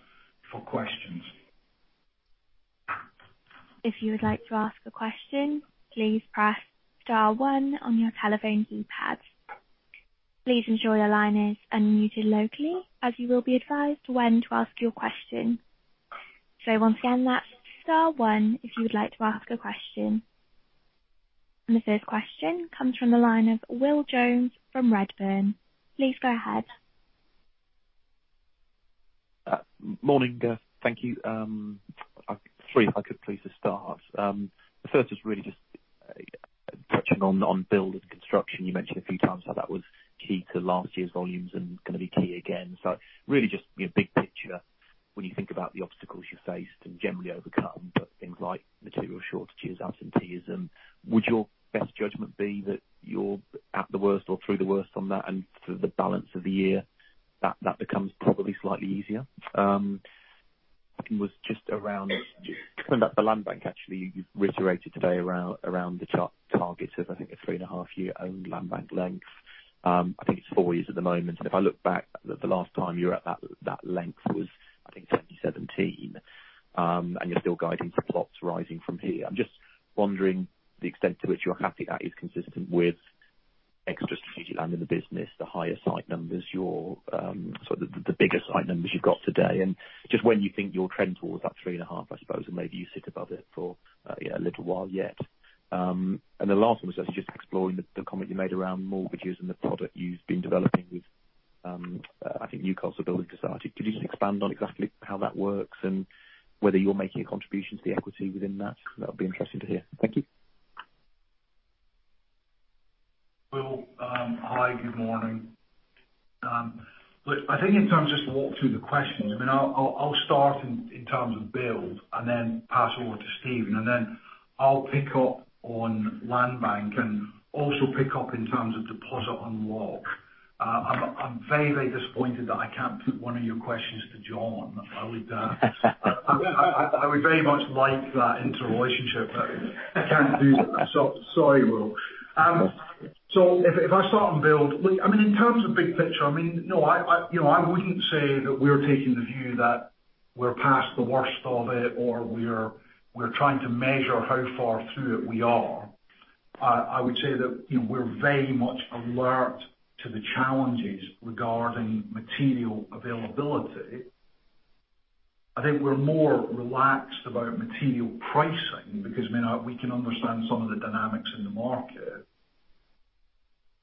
for questions. If you would like to ask a question, please press star one on your telephone keypad. Please ensure your line is unmuted locally, as you will be advised when to ask your question. Once again, that's star one if you would like to ask a question. The first question comes from the line of Will Jones from Redburn. Please go ahead. Morning. Thank you. Three if I could please to start. The first is really just touching on build and construction. You mentioned a few times how that was key to last year's volumes and going to be key again. Really just big picture when you think about the obstacles you faced and generally overcome, but things like material shortages, absenteeism, would your best judgment be that you're at the worst or through the worst on that and for the balance of the year, that becomes probably slightly easier? Second was just around the land bank, actually, you've reiterated today around the targets of, I think, a three-and-a-half year owned land bank length. I think it's four years at the moment. If I look back that the last time you were at that length was, I think, 2017. You're still guiding for plots rising from here. I'm just wondering the extent to which you're happy that is consistent with extra strategic land in the business, the higher site numbers, the biggest site numbers you've got today. Just when you think you'll trend towards that 3.5, I suppose, and maybe you sit above it for a little while yet. The last one was just exploring the comment you made around mortgages and the product you've been developing with, I think, Newcastle Building Society. Could you just expand on exactly how that works and whether you're making a contribution to the equity within that? That would be interesting to hear. Thank you. Will, hi, good morning. I think in terms, just to walk through the questions, I'll start in terms of build and then pass over to Steven, and then I'll pick up on land bank and also pick up in terms of Deposit Unlock. I'm very disappointed that I can't put one of your questions to John. I would very much like that interrelationship, I can't do that. Sorry, Will. If I start on build, in terms of big picture, I wouldn't say that we're taking the view that we're past the worst of it or we're trying to measure how far through it we are. I would say that we're very much alert to the challenges regarding material availability. I think we're more relaxed about material pricing, because we can understand some of the dynamics in the market.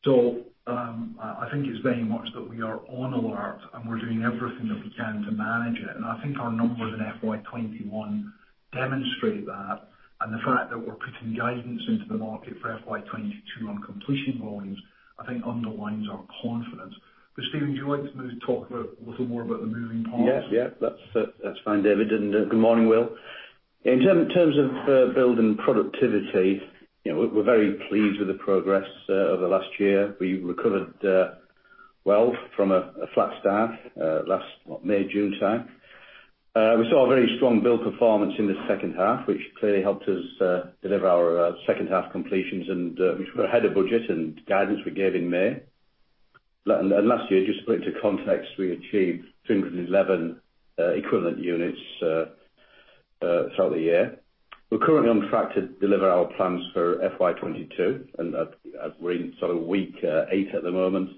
I think it's very much that we are on alert, and we're doing everything that we can to manage it. I think our numbers in FY 2021 demonstrate that, and the fact that we're putting guidance into the market for FY 2022 on completion volumes, I think underlines our confidence. Steven, would you like to maybe talk a little more about the moving parts? Yes. That's fine, David. Good morning, Will. In terms of build and productivity, we're very pleased with the progress over the last year. We recovered well from a flat start last May, June time. We saw a very strong build performance in the second half, which clearly helped us deliver our second half completions, and which were ahead of budget and guidance we gave in May. Last year, just to put it into context, we achieved 311 equivalent units throughout the year. We're currently on track to deliver our plans for FY 2022, and we're in week eight at the moment.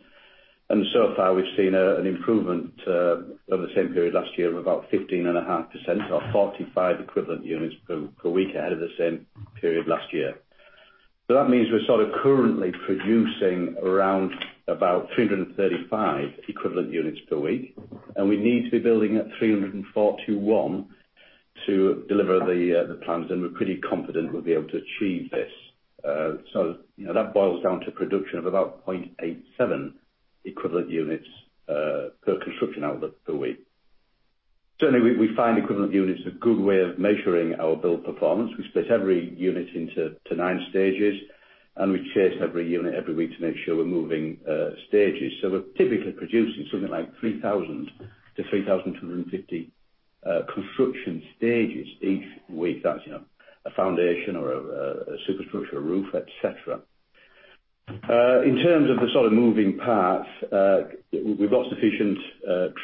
So far, we've seen an improvement over the same period last year of about 15.5%, or 45 equivalent units per week ahead of the same period last year. That means we're currently producing around about 335 equivalent units per week, and we need to be building at 341 to deliver the plans, and we're pretty confident we'll be able to achieve this. That boils down to production of about 0.87 equivalent units per construction output per week. Certainly, we find equivalent units a good way of measuring our build performance. We split every unit into nine stages, and we chase every unit every week to make sure we're moving stages. We're typically producing something like 3,000 construction stages-3,250 construction stages each week. That's a foundation or a superstructure, a roof, et cetera. In terms of the moving parts, we've got sufficient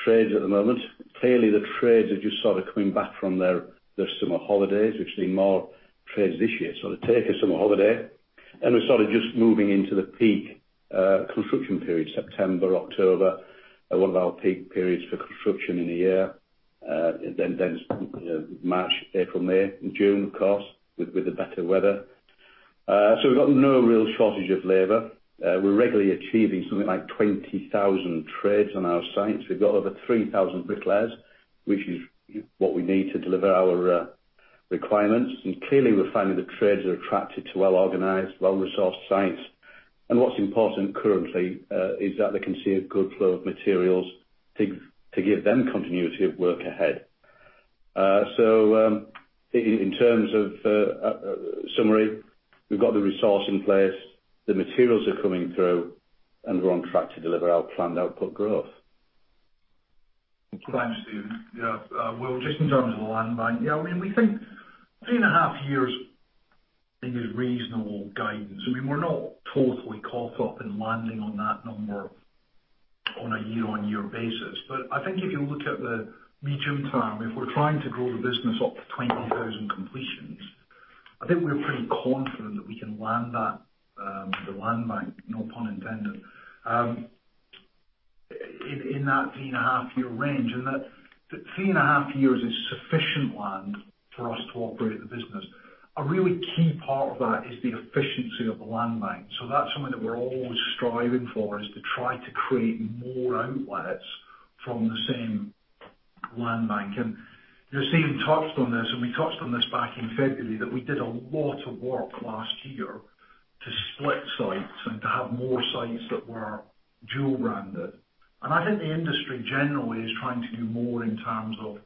trades at the moment. Clearly, the trades are just coming back from their summer holidays. We've seen more trades this year take a summer holiday. We're just moving into the peak construction period, September, October, 1 of our peak periods for construction in the year. March, April, May, and June, of course, with the better weather. We've got no real shortage of labor. We're regularly achieving something like 20,000 trades on our sites. We've got over 3,000 bricklayers, which is what we need to deliver our requirements. Clearly, we're finding the trades are attracted to well organized, well resourced sites. What's important currently, is that they can see a good flow of materials to give them continuity of work ahead. In terms of summary, we've got the resource in place, the materials are coming through, and we're on track to deliver our planned output growth. Thanks, Steven. Will, just in terms of the land bank, we think three and a half years is reasonable guidance. We're not totally caught up in landing on that number on a year-on-year basis. I think if you look at the medium term, if we're trying to grow the business up to 20,000 completions, I think we're pretty confident that we can land that with the land bank, no pun intended, in that three and a half year range. That three and a half years is sufficient land for us to operate the business. A really key part of that is the efficiency of the land bank. That's something that we're always striving for, is to try to create more outlets from the same land bank. Steven touched on this, and we touched on this back in February, that we did a lot of work last year to split sites and to have more sites that were dual branded. I think the industry generally is trying to do more in terms of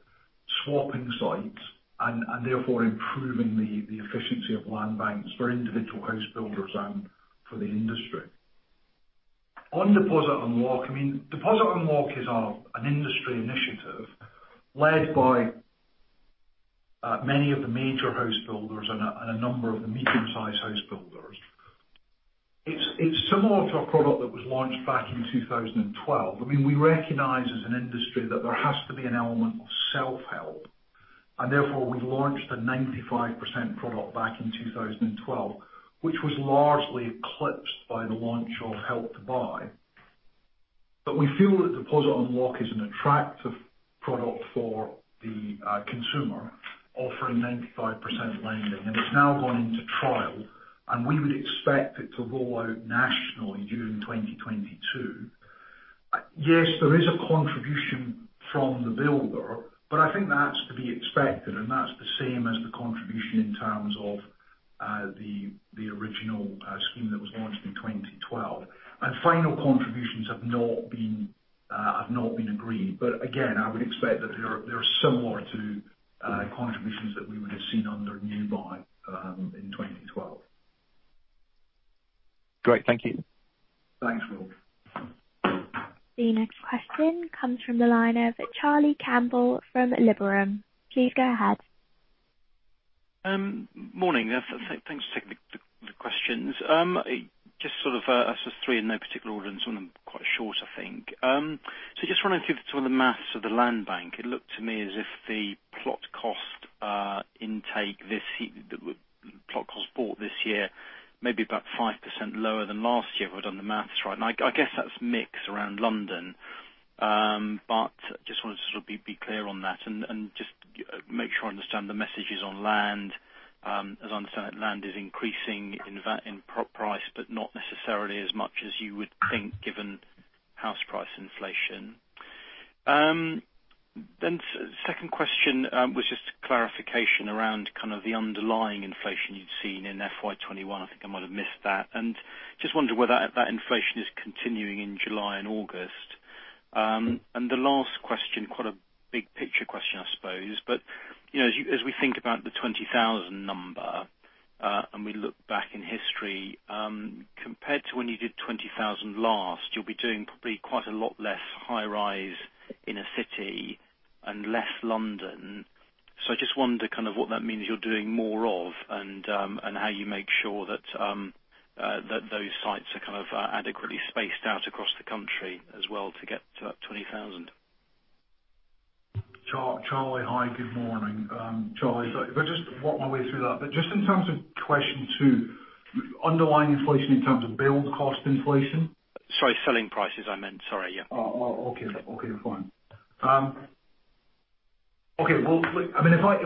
swapping sites and therefore improving the efficiency of land banks for individual house builders and for the industry. On Deposit Unlock, Deposit Unlock is an industry initiative led by many of the major house builders and a number of the medium-sized house builders. It is similar to a product that was launched back in 2012. We recognize as an industry that there has to be an element of self-help. Therefore, we launched a 95% product back in 2012, which was largely eclipsed by the launch of Help to Buy. We feel that Deposit Unlock is an attractive product for the consumer, offering 95% lending. It's now gone into trial, and we would expect it to roll out nationally during 2022. Yes, there is a contribution from the builder, but I think that's to be expected, and that's the same as the contribution in terms of the original scheme that was launched in 2012. Final contributions have not been agreed. Again, I would expect that they are similar to contributions that we would have seen under NewBuy in 2012. Great. Thank you. Thanks, Will. The next question comes from the line of Charlie Campbell from Liberum. Please go ahead. Morning. Thanks for taking the questions. I suppose three in no particular order, and some of them quite short, I think. Just running through some of the math of the land bank, it looked to me as if the plot cost bought this year may be about 5% lower than last year, if I've done the math right. I guess that's mixed around London. Just want to sort of be clear on that and just make sure I understand the messages on land, as I understand it, land is increasing in price, but not necessarily as much as you would think, given house price inflation. Second question was just clarification around kind of the underlying inflation you'd seen in FY 2021. I think I might have missed that. Just wondered whether that inflation is continuing in July and August. The last question, quite a big picture question, I suppose, but as we think about the 20,000 number, and we look back in history, compared to when you did 20,000 last, you'll be doing probably quite a lot less high-rise in a city and less London. I just wonder kind of what that means you're doing more of and how you make sure that those sites are kind of adequately spaced out across the country as well to get to that 20,000. Charlie, hi, good morning. Charlie, if I just work my way through that. Just in terms of question two, underlying inflation in terms of build cost inflation? Sorry, selling prices, I meant. Sorry, yeah. Well, if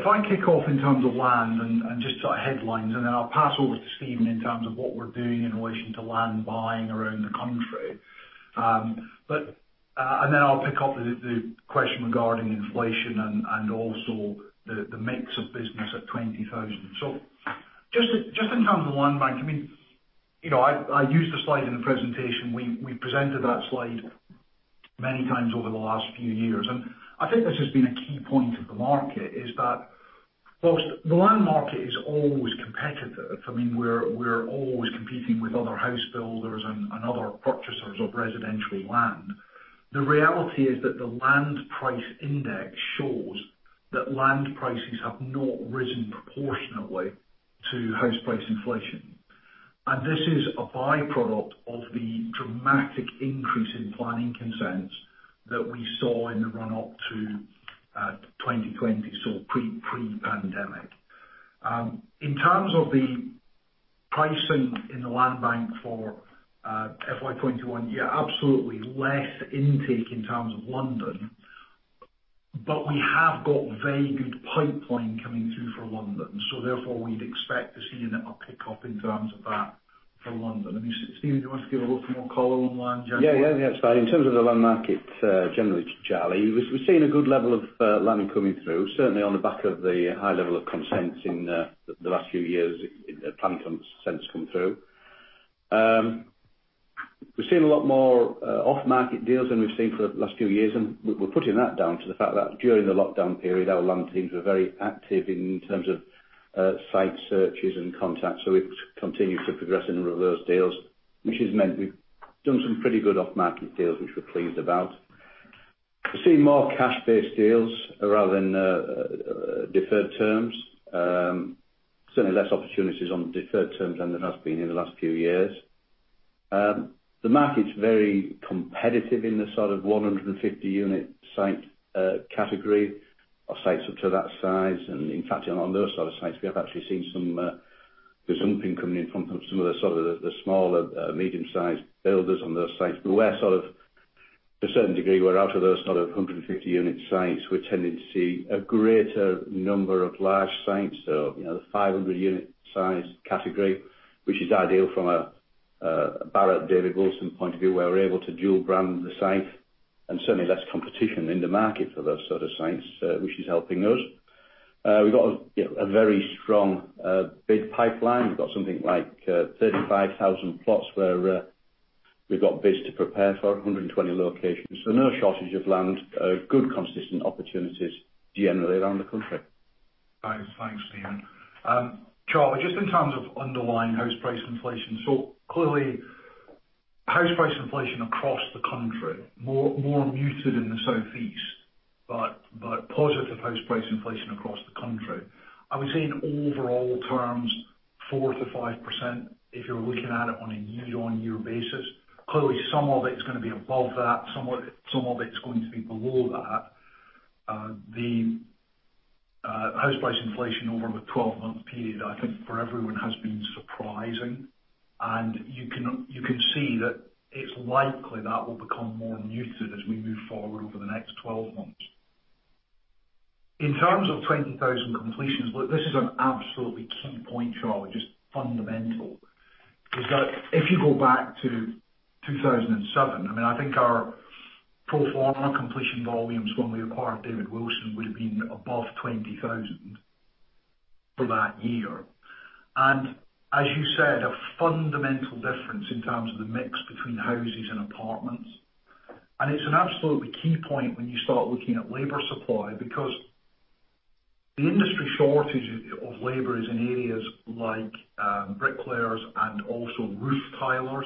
I kick off in terms of land and just sort of headlines, then I'll pass over to Steven in terms of what we're doing in relation to land buying around the country. Then I'll pick up the question regarding inflation and also the mix of business at 20,000. Just in terms of land bank, I used a slide in the presentation. We presented that slide many times over the last few years. I think this has been a key point of the market is that whilst the land market is always competitive, we're always competing with other house builders and other purchasers of residential land. The reality is that the land price index shows that land prices have not risen proportionately to house price inflation. This is a by-product of the dramatic increase in planning consents that we saw in the run up to 2020, pre-pandemic. In terms of the pricing in the land bank for FY 2021, yeah, absolutely less intake in terms of London, but we have got very good pipeline coming through for London. Therefore, we'd expect to see a net pick up in terms of that for London. Steven, do you want to give a little more color on land generally? Yeah. In terms of the land market, generally, Charlie, we're seeing a good level of land coming through, certainly on the back of the high level of consents in the last few years, planning consents come through. We've seen a lot more off-market deals than we've seen for the last few years. We're putting that down to the fact that during the lockdown period, our land teams were very active in terms of site searches and contacts. We've continued to progress a number of those deals, which has meant we've done some pretty good off-market deals, which we're pleased about. We're seeing more cash-based deals rather than deferred terms. Certainly less opportunities on deferred terms than there has been in the last few years. The market's very competitive in the sort of 150 unit site category of sites up to that size. In fact, on those sort of sites, we have actually seen some rezoning coming in from some of the sort of the smaller, medium-sized builders on those sites. To a certain degree, where out of those sort of 150 unit sites, we're tending to see a greater number of large sites. The 500 unit size category, which is ideal from a Barratt David Wilson point of view, where we're able to dual brand the site, and certainly less competition in the market for those sort of sites, which is helping us. We've got a very strong bid pipeline. We've got something like 35,000 plots where we've got bids to prepare for, 120 locations. No shortage of land. Good consistent opportunities generally around the country. Thanks, Steven. Charlie, just in terms of underlying house price inflation. Clearly, house price inflation across the country, more muted in the southeast, but positive house price inflation across the country. Are we seeing overall terms 4%-5%, if you're looking at it on a year-on-year basis. Clearly, some of it is going to be above that, some of it is going to be below that. The house price inflation over the 12-month period, I think, for everyone, has been surprising, and you can see that it's likely that will become more muted as we move forward over the next 12 months. In terms of 20,000 completions, look, this is an absolutely key point, Charlie, just fundamental, is that if you go back to 2007, I think our pro forma completion volumes when we acquired David Wilson would have been above 20,000 for that year. As you said, a fundamental difference in terms of the mix between houses and apartments. It's an absolutely key point when you start looking at labor supply, because the industry shortage of labor is in areas like bricklayers and also roof tilers.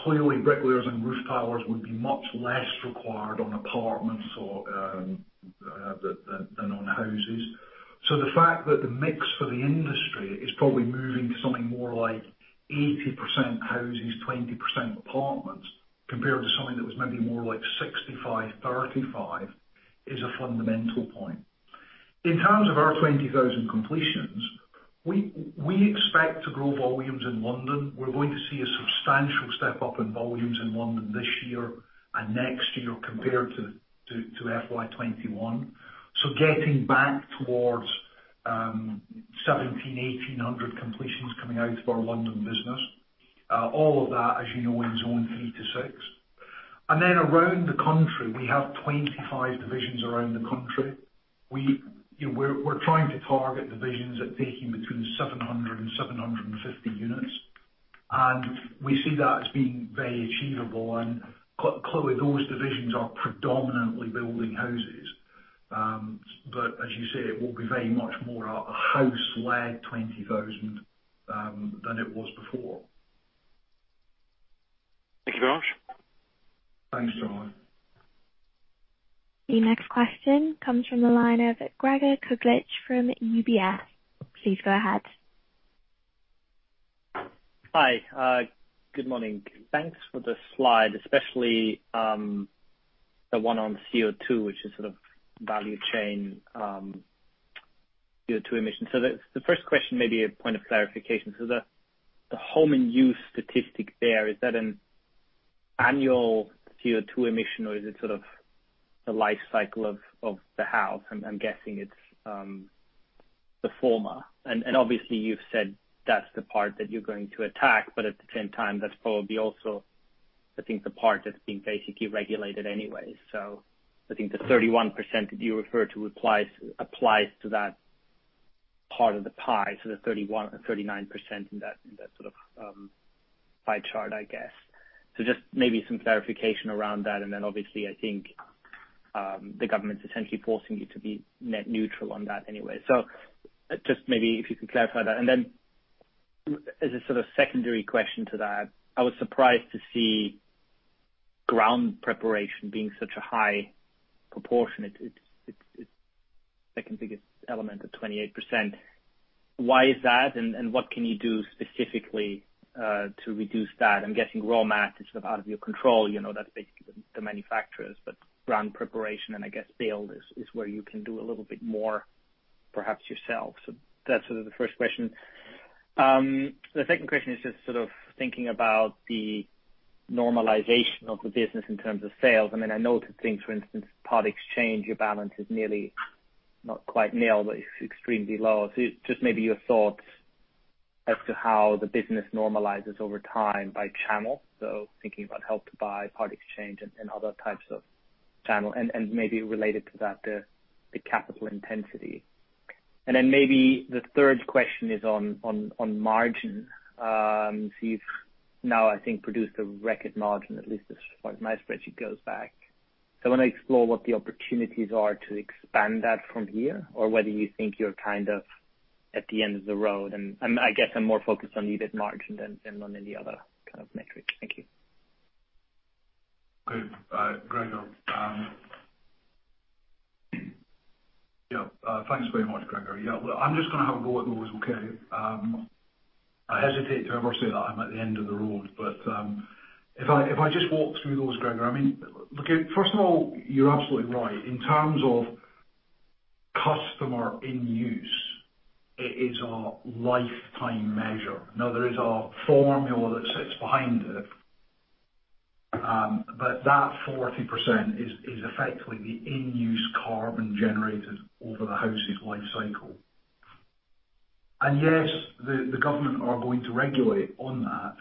Clearly, bricklayers and roof tilers would be much less required on apartments than on houses. The fact that the mix for the industry is probably moving to something more like 80% houses, 20% apartments, compared to something that was maybe more like 65/35, is a fundamental point. In terms of our 20,000 completions, we expect to grow volumes in London. We're going to see a substantial step-up in volumes in London this year and next year compared to FY 2021. Getting back towards 1,700, 1,800 completions coming out of our London business. All of that, as you know, in Zones 3 to 6. Around the country, we have 25 divisions around the country. We're trying to target divisions at taking between 700 and 750 units, and we see that as being very achievable. Clearly those divisions are predominantly building houses. As you say, it will be very much more a house led 20,000 than it was before. Thank you very much. Thanks, Charlie. The next question comes from the line of Gregor Kuglitsch from UBS. Please go ahead. Hi. Good morning. Thanks for the slide, especially, the one on CO2, which is sort of value chain CO2 emissions. The first question may be a point of clarification. The home in use statistic there, is that an annual CO2 emission or is it sort of the life cycle of the house? I'm guessing it's the former. Obviously you've said that's the part that you're going to attack, at the same time, that's probably also, I think, the part that's being basically regulated anyway. I think the 31% that you refer to applies to that part of the pie. The 39% in that sort of pie chart, I guess. Just maybe some clarification around that, obviously, I think, the government's essentially forcing you to be net neutral on that anyway. Just maybe if you could clarify that. As a sort of secondary question to that, I was surprised to see ground preparation being such a high proportion. It's second biggest element at 28%. Why is that, and what can you do specifically, to reduce that? I'm guessing raw mat is sort of out of your control, that's the manufacturers. Ground preparation and I guess build is where you can do a little bit more perhaps yourself. That's sort of the first question. The second question is just sort of thinking about the normalization of the business in terms of sales. I know to think, for instance, part exchange, your balance is nearly, not quite nil, but it's extremely low. Just maybe your thoughts as to how the business normalizes over time by channel. Thinking about Help to Buy, Part Exchange, and other types of channel, and maybe related to that, the capital intensity. Maybe the third question is on margin. You've now I think produced a record margin, at least as far as my spreadsheet goes back. I want to explore what the opportunities are to expand that from here, or whether you think you're kind of at the end of the road. I guess I'm more focused on EBIT margin than on any other kind of metric. Thank you. Good, Gregor. Yeah. Thanks very much, Gregor. Yeah, I'm just going to have a go at those, okay? I hesitate to ever say that I'm at the end of the road, but if I just walk through those, Gregor. I mean, look, first of all, you're absolutely right. In terms of customer in use, it is a lifetime measure. Now, there is a formula that sits behind it. That 40% is effectively the in-use carbon generated over the house's life cycle. Yes, the government are going to regulate on that,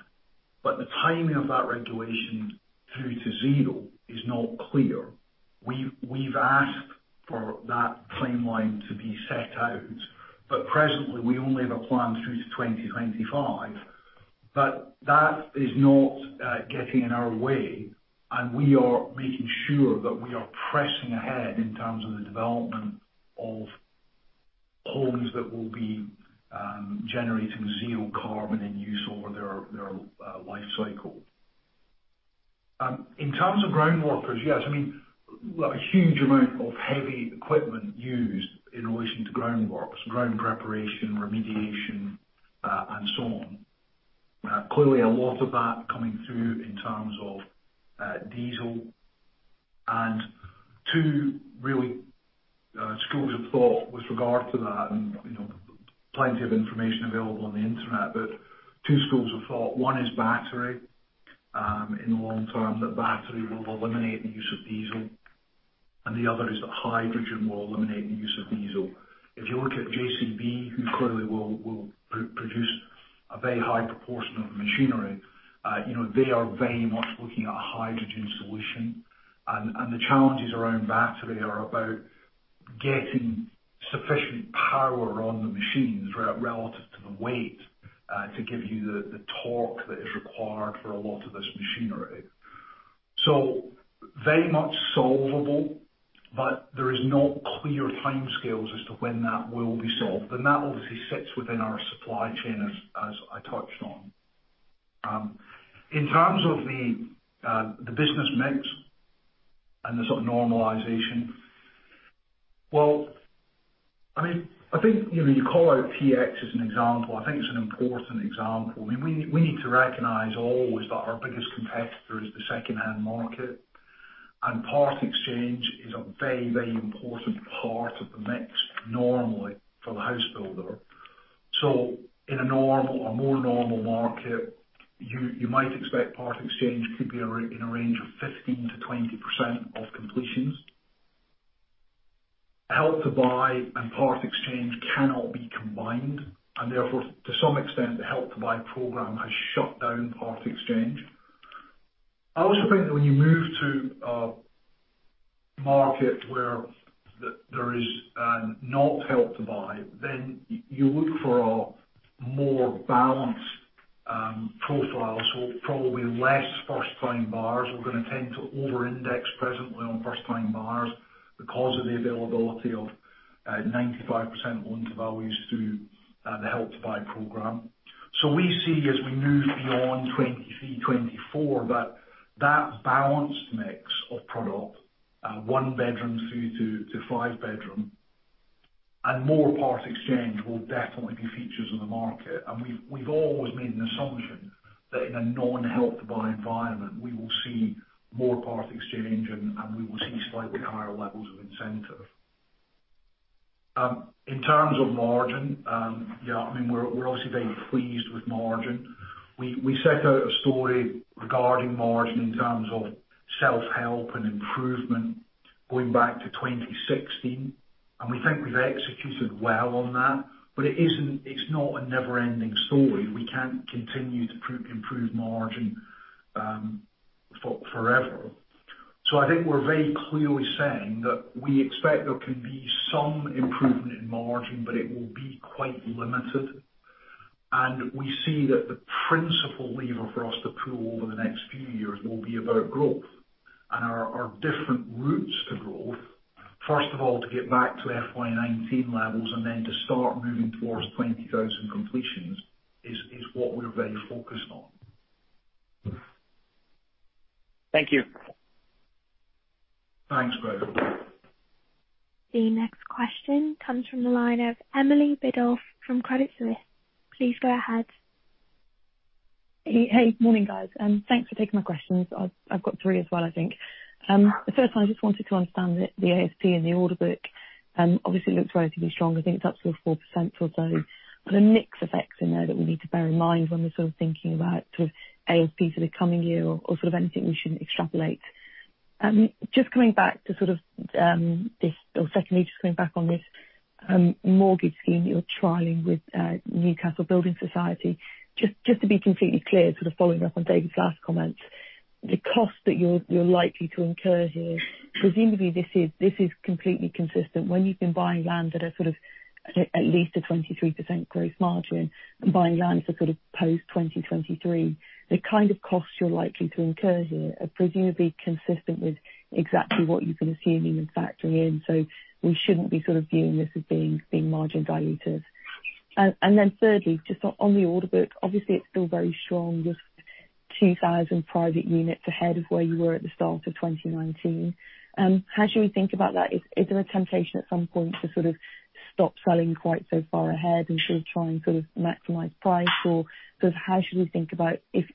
but the timing of that regulation through to zero is not clear. We've asked for that timeline to be set out, but presently, we only have a plan through to 2025. That is not getting in our way, and we are making sure that we are pressing ahead in terms of the development of homes that will be generating zero carbon in use over their life cycle. In terms of ground workers, yes. A huge amount of heavy equipment used in relation to ground works, ground preparation, remediation, and so on. Clearly, a lot of that coming through in terms of diesel and two really schools of thought with regard to that, and plenty of information available on the internet, but two schools of thought. One is battery, in the long term, that battery will eliminate the use of diesel, and the other is that hydrogen will eliminate the use of diesel. If you look at JCB, who clearly will produce a very high proportion of machinery, they are very much looking at a hydrogen solution. The challenges around battery are about getting sufficient power on the machines relative to the weight to give you the torque that is required for a lot of this machinery. Very much solvable, but there is no clear timescales as to when that will be solved. That obviously sits within our supply chain, as I touched on. In terms of the business mix and the sort of normalization, you call out PX as an example. I think it's an important example. We need to recognize always that our biggest competitor is the secondhand market, and part exchange is a very important part of the mix normally for the house builder. In a more normal market, you might expect part exchange to be in a range of 15%-20% of completions. Help to Buy and Part Exchange cannot be combined, and therefore, to some extent, the Help to Buy program has shut down Part Exchange. I also think that when you move to a market where there is not Help to Buy, then you look for a more balanced profile, so probably less first time buyers, we're going to tend to over-index presently on first time buyers because of the availability of 95% loan-to-values through the Help to Buy program. We see as we move beyond 2023, 2024, that balanced mix of product, one bedroom through to five bedroom and more Part Exchange will definitely be features of the market. We've always made an assumption that in a non-Help to Buy environment, we will see more Part Exchange and we will see slightly higher levels of incentive. In terms of margin, we're obviously very pleased with margin. We set out a story regarding margin in terms of self-help and improvement going back to 2016, and we think we've executed well on that. It's not a never ending story. We can't continue to improve margin forever. I think we're very clearly saying that we expect there can be some improvement in margin, but it will be quite limited, and we see that the principal lever for us to pull over the next few years will be about growth. Our different routes to growth, first of all, to get back to FY 2019 levels and then to start moving towards 20,000 completions is what we are very focused on. Thank you. Thanks, Greg. The next question comes from the line of Emily Biddulph from Credit Suisse. Please go ahead. Hey. Morning, guys. Thanks for taking my questions. I've got three as well, I think. The first one, I just wanted to understand the ASP and the order book obviously looks relatively strong. I think it's up sort of 4% or so, but a mix effect in there that we need to bear in mind when we're sort of thinking about sort of ASP for the coming year or sort of anything we shouldn't extrapolate. Secondly, just coming back on this mortgage scheme you're trialing with Newcastle Building Society, just to be completely clear, sort of following up on David's last comments, the cost that you're likely to incur here, presumably this is completely consistent when you've been buying land at a sort of at least a 23% gross margin and buying land for sort of post 2023. The kind of costs you're likely to incur here are presumably consistent with exactly what you've been assuming and factoring in. We shouldn't be sort of viewing this as being margin dilutive. Thirdly, just on the order book, obviously it's still very strong with 2,000 private units ahead of where you were at the start of 2019. How should we think about that? Is there a temptation at some point to sort of stop selling quite so far ahead and sort of try and sort of maximize price? Sort of how should we think about if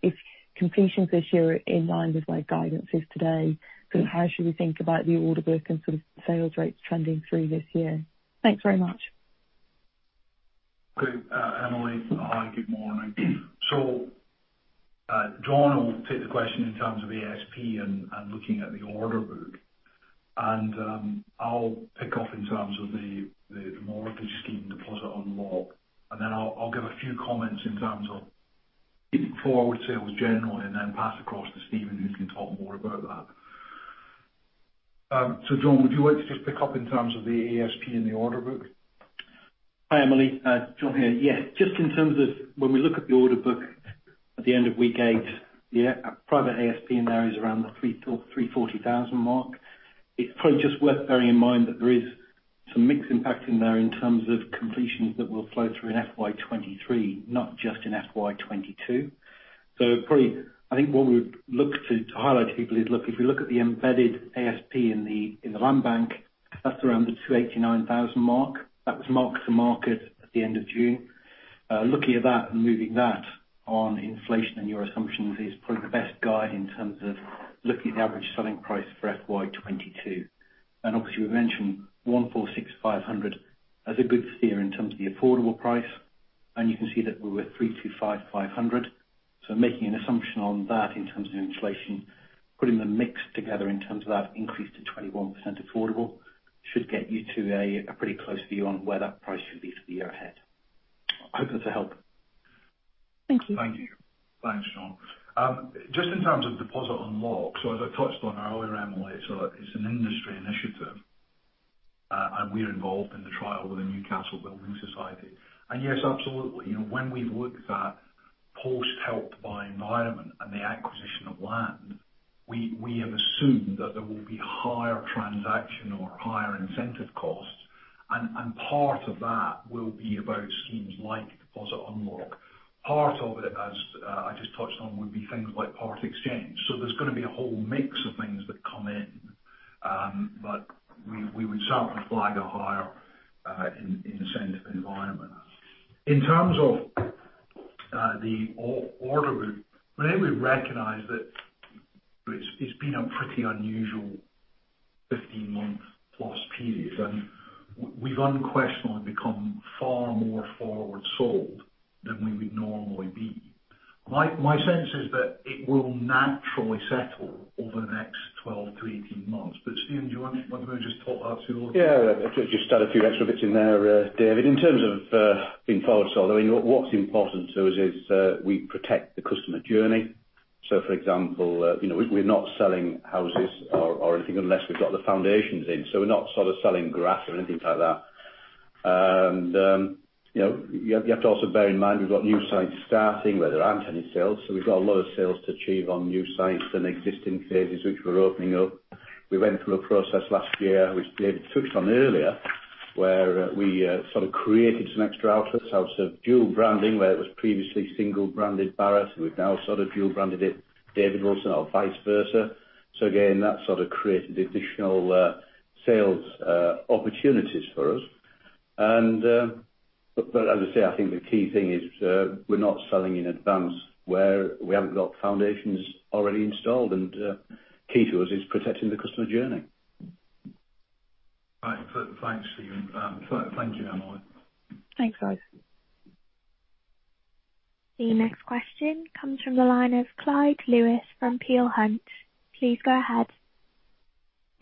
completions this year are in line with where guidance is today, sort of how should we think about the order book and sort of sales rates trending through this year? Thanks very much. Great. Emily, hi, good morning. John will take the question in terms of ASP and looking at the order book, and I'll pick up in terms of the mortgage scheme Deposit Unlock, and then I'll give a few comments in terms of forward sales generally, and then pass across to Steven, who's going to talk more about that. John, would you like to just pick up in terms of the ASP and the order book? Hi, Emily. John here. Yeah, just in terms of when we look at the order book at the end of week eight, our private ASP in there is around the 340,000 mark. It's probably just worth bearing in mind that there is some mixed impact in there in terms of completions that will flow through in FY 2023, not just in FY 2022. Probably, I think what we would look to highlight to people is, if you look at the embedded ASP in the land bank, that's around the 289,000 mark. That was mark-to-market at the end of June. Looking at that and moving that on inflation and your assumptions is probably the best guide in terms of looking at the average selling price for FY 2022. Obviously, we mentioned 146,500 as a good steer in terms of the affordable price, and you can see that we're at 325,500. Making an assumption on that in terms of inflation, putting the mix together in terms of that increase to 21% affordable, should get you to a pretty close view on where that price should be for the year ahead. Hoping to help. Thank you. Thank you. Thanks, John. Just in terms of Deposit Unlock. As I touched on earlier, Emily, it's an industry initiative, and we are involved in the trial with the Newcastle Building Society. Yes, absolutely. When we've looked at that post Help to Buy environment and the acquisition of land, we have assumed that there will be higher transaction or higher incentive costs, and part of that will be about schemes like Deposit Unlock. Part of it, as I just touched on, would be things like Part Exchange. There's going to be a whole mix of things that come in. We would certainly flag a higher incentive environment. In terms of the order book, really we recognize that it's been a pretty unusual 15 month+ period, and we've unquestionably become far more forward sold than we would normally be. My sense is that it will naturally settle over the next 12 to 18 months. Steven, do you want to maybe just talk to that? Just add a few extra bits in there, David. In terms of being forward sold, what's important to us is we protect the customer journey. For example, we're not selling houses or anything unless we've got the foundations in. We're not selling grass or anything like that. You have to also bear in mind, we've got new sites starting where there aren't any sales. We've got a lot of sales to achieve on new sites and existing phases, which we're opening up. We went through a process last year, which David touched on earlier, where we created some extra outlets out of dual branding, where it was previously single branded Barratt, and we've now dual branded it David Wilson or vice versa. Again, that created additional sales opportunities for us. As I say, I think the key thing is we're not selling in advance where we haven't got foundations already installed. Key to us is protecting the customer journey. Right. Thanks, Steven. Thank you, Emily. Thanks, guys. The next question comes from the line of Clyde Lewis from Peel Hunt. Please go ahead.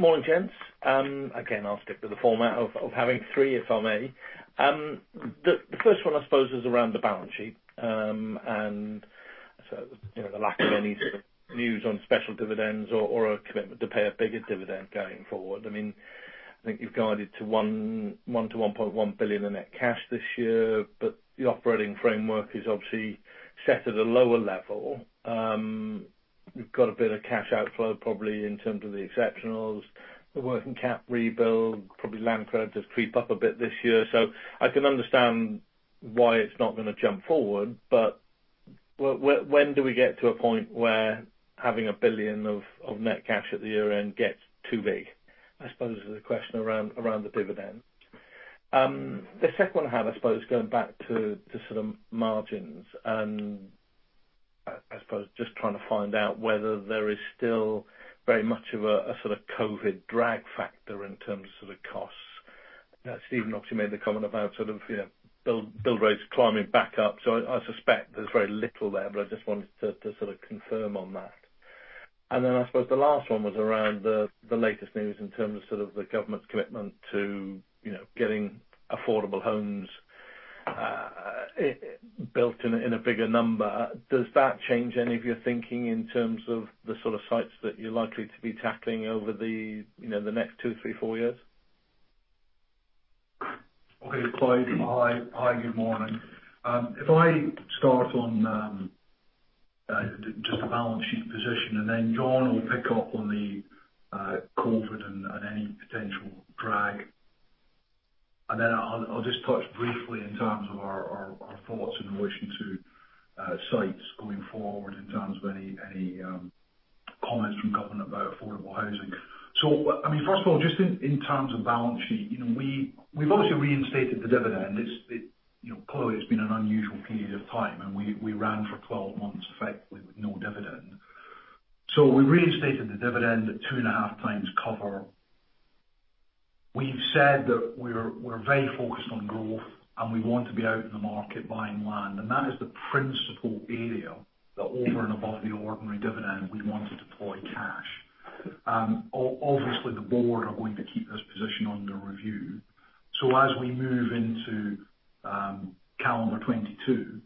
Morning, gents. I'll stick to the format of having three, if I may. The first one, I suppose, is around the balance sheet. The lack of any sort of news on special dividends or a commitment to pay a bigger dividend going forward. I think you've guided to 1 billion-1.1 billion in net cash this year, but the operating framework is obviously set at a lower level. You've got a bit of cash outflow probably in terms of the exceptionals, the working cap rebuild, probably land credits creep up a bit this year. I can understand why it's not going to jump forward, but when do we get to a point where having 1 billion of net cash at the year-end gets too big, I suppose, is the question around the dividend. The second one I have, I suppose, going back to margins, just trying to find out whether there is still very much of a COVID drag factor in terms of costs. Steven obviously made the comment about build rates climbing back up, I suspect there's very little there, I just wanted to confirm on that. The last one was around the latest news in terms of the government's commitment to getting affordable homes built in a bigger number. Does that change any of your thinking in terms of the sort of sites that you're likely to be tackling over the next two, three, four years? Okay, Clyde. Hi. Good morning. If I start on just the balance sheet position. John will pick up on the COVID and any potential drag. I'll just touch briefly in terms of our thoughts in relation to sites going forward in terms of any comments from government about affordable housing. First of all, just in terms of balance sheet, we've obviously reinstated the dividend. Clearly, it's been an unusual period of time, and we ran for 12 months, effectively, with no dividend. We reinstated the dividend at two and a half times cover. We've said that we're very focused on growth and we want to be out in the market buying land, and that is the principal area that over and above the ordinary dividend, we want to deploy cash. Obviously, the board are going to keep this position under review. As we move into calendar 2022,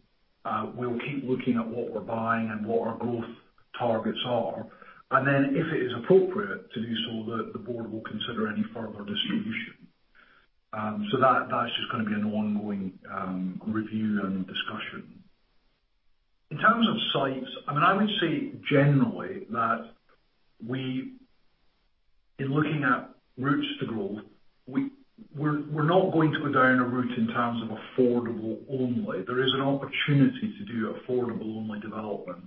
we'll keep looking at what we're buying and what our growth targets are. If it is appropriate to do so, the board will consider any further distribution. That's just going to be an ongoing review and discussion. In terms of sites, I would say generally that we, in looking at routes to growth, we're not going to go down a route in terms of affordable only. There is an opportunity to do affordable only development,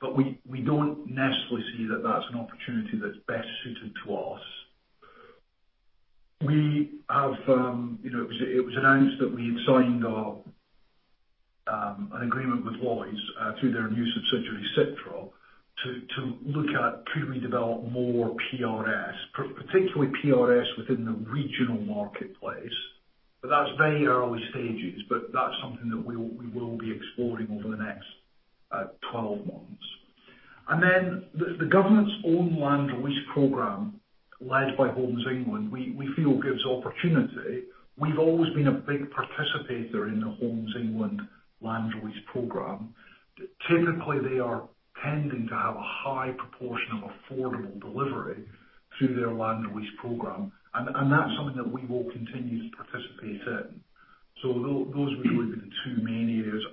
but we don't necessarily see that that's an opportunity that's best suited to us. It was announced that we had signed an agreement with Lloyds through their new subsidiary, Citra Living, to look at could we develop more PRS. Particularly PRS within the regional marketplace, but that's very early stages, but that's something that we will be exploring over the next 12 months. The government's own land release program, led by Homes England, we feel gives opportunity. We've always been a big participator in the Homes England land release program. Technically, they are tending to have a high proportion of affordable delivery through their land release program, and that is something that we will continue to participate in. Those would really be the two main areas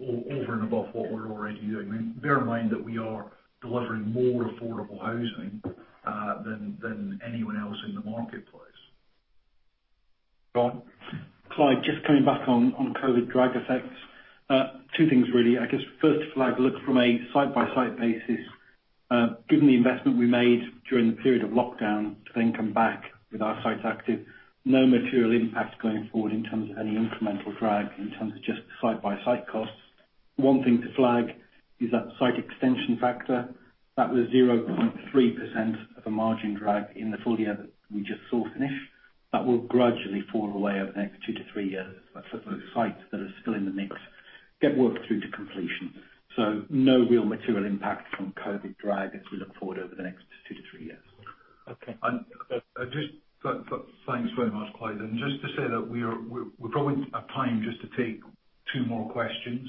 over and above what we are already doing. Bear in mind that we are delivering more affordable housing than anyone else in the marketplace. Got it. Clyde, just coming back on COVID drag effects. Two things, really. I guess first flag look from a site-by-site basis. Given the investment we made during the period of lockdown to then come back with our sites active, no material impact going forward in terms of any incremental drag in terms of just site-by-site costs. One thing to flag is that site extension factor. That was 0.3% of a margin drag in the full year that we just saw finish. That will gradually fall away over the next two to three years as those sites that are still in the mix get worked through to completion. No real material impact from COVID drag as we look forward over the next two to three years. Okay. Thanks very much, Clyde, and just to say that we probably have time just to take two more questions.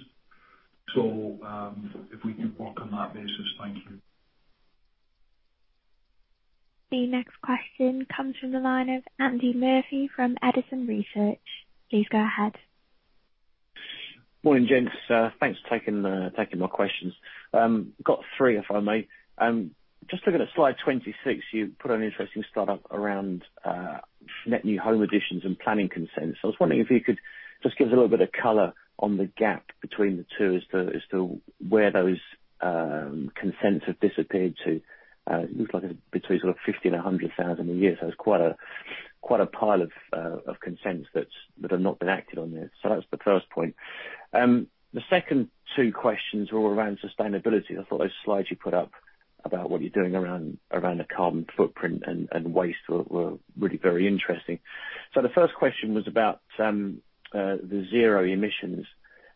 If we could work on that basis. Thank you. The next question comes from the line of Andy Murphy from Edison Research. Please go ahead. Morning, gents. Thanks for taking my questions. Got three, if I may. Just looking at slide 26, you put an interesting start up around net new home additions and planning consents. I was wondering if you could just give us a little bit of color on the gap between the two as to where those consents have disappeared to. It looks like between sort of 50 and 100,000 a year. It's quite a pile of consents that have not been acted on there. That was the first point. The second two questions were around sustainability. I thought those slides you put up about what you're doing around the carbon footprint and waste were really very interesting. The first question was about the zero emissions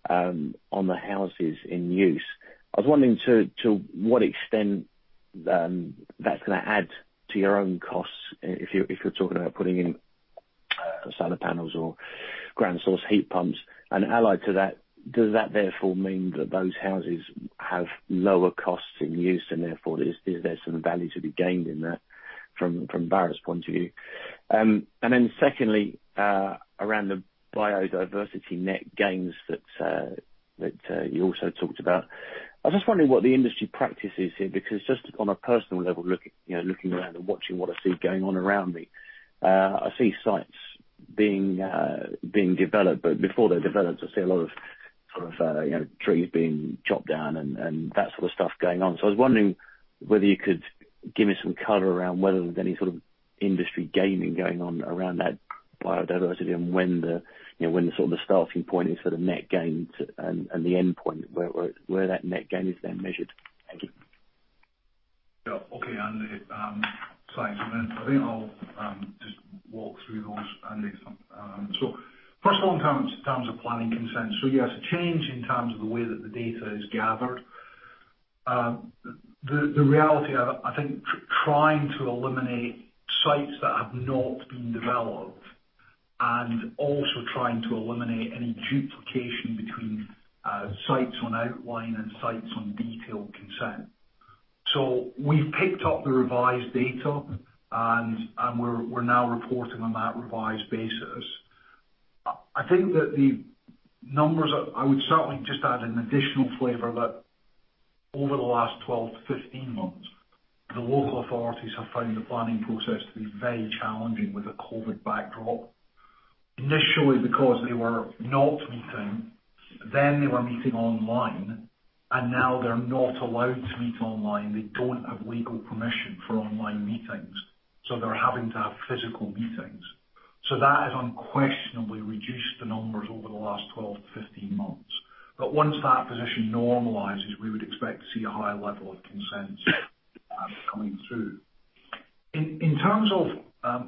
on the houses in use. I was wondering to what extent that's going to add to your own costs if you're talking about putting in solar panels or ground source heat pumps. Allied to that, does that therefore mean that those houses have lower costs in use and therefore is there some value to be gained in that from Barratt's point of view? Secondly, around the biodiversity net gains that you also talked about. I was just wondering what the industry practice is here, because just on a personal level, looking around and watching what I see going on around me, I see sites being developed, but before they're developed, I see a lot of trees being chopped down and that sort of stuff going on. I was wondering whether you could give me some color around whether there was any sort of industry gaming going on around that biodiversity and when the sort of starting point is for the net gain and the endpoint, where that net gain is then measured. Thank you. Yeah. Okay, Andy. Thanks. I think I'll just walk through those, Andy. First of all, in terms of planning consent. You have to change in terms of the way that the data is gathered. The reality, I think trying to eliminate sites that have not been developed and also trying to eliminate any duplication between sites on outline and sites on detailed consent. We've picked up the revised data, and we're now reporting on that revised basis. I think that the numbers, I would certainly just add an additional flavor that over the last 12 to 15 months, the local authorities have found the planning process to be very challenging with a COVID backdrop. Initially, because they were not meeting, then they were meeting online, and now they're not allowed to meet online. They don't have legal permission for online meetings, so they're having to have physical meetings. That has unquestionably reduced the numbers over the last 12 to 15 months. Once that position normalizes, we would expect to see a higher level of consents coming through. In terms of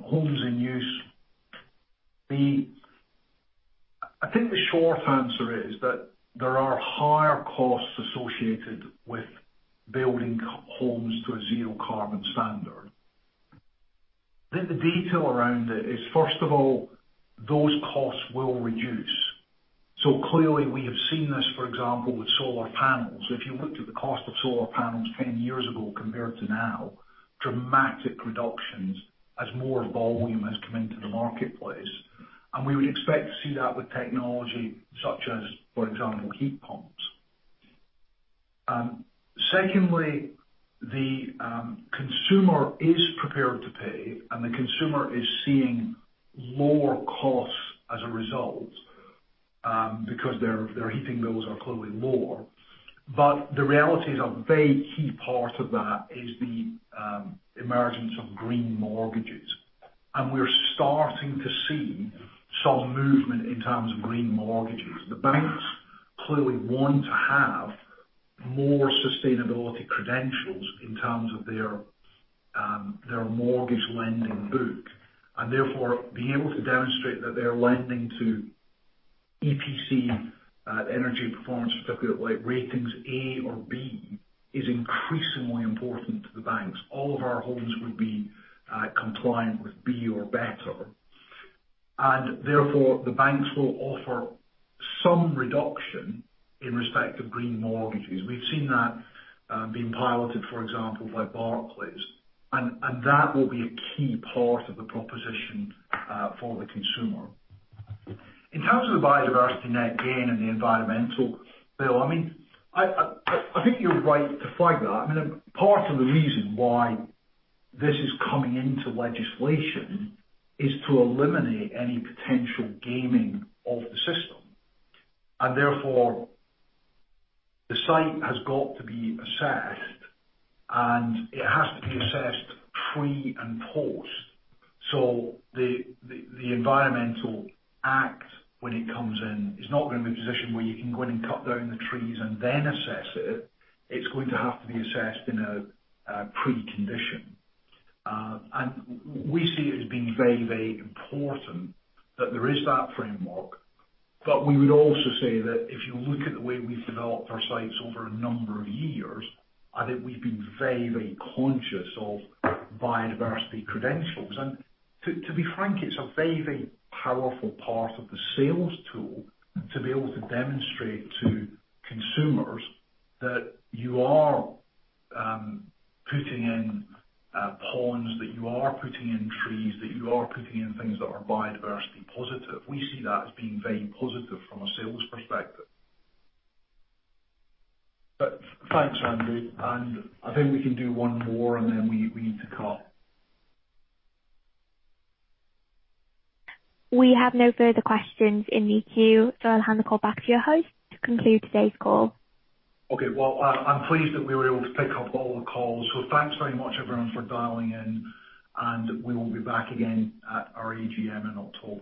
homes in use, I think the short answer is that there are higher costs associated with building homes to a zero carbon standard. I think the detail around it is, first of all, those costs will reduce. Clearly we have seen this, for example, with solar panels. If you looked at the cost of solar panels 10 years ago compared to now, dramatic reductions as more volume has come into the marketplace. We would expect to see that with technology such as, for example, heat pumps. Secondly, the consumer is prepared to pay, and the consumer is seeing lower costs as a result, because their heating bills are clearly lower. The reality is a very key part of that is the emergence of green mortgages. We're starting to see some movement in terms of green mortgages. The banks clearly want to have more sustainability credentials in terms of their mortgage lending book, and therefore being able to demonstrate that they are lending to EPC, Energy Performance Certificate, like ratings A or B, is increasingly important to the banks. All of our homes would be compliant with B or better, and therefore the banks will offer some reduction in respect of green mortgages. We've seen that being piloted, for example, by Barclays, and that will be a key part of the proposition for the consumer. In terms of the biodiversity net gain and the environmental Bill, I think you're right to flag that. Part of the reason why this is coming into legislation is to eliminate any potential gaming of the system, and therefore the site has got to be assessed, and it has to be assessed pre and post. The Environmental Act, when it comes in, is not going to be a position where you can go in and cut down the trees and then assess it. It's going to have to be assessed in a pre-condition. We see it as being very, very important that there is that framework. We would also say that if you look at the way we've developed our sites over a number of years, I think we've been very, very conscious of biodiversity credentials. To be frank, it's a very, very powerful part of the sales tool to be able to demonstrate to consumers that you are putting in ponds, that you are putting in trees, that you are putting in things that are biodiversity positive. We see that as being very positive from a sales perspective. Thanks, Andy, and I think we can do one more, and then we need to cut. We have no further questions in the queue, so I'll hand the call back to your host to conclude today's call. Okay, well, I'm pleased that we were able to pick up all the calls. Thanks very much, everyone, for dialing in, and we will be back again at our AGM in October.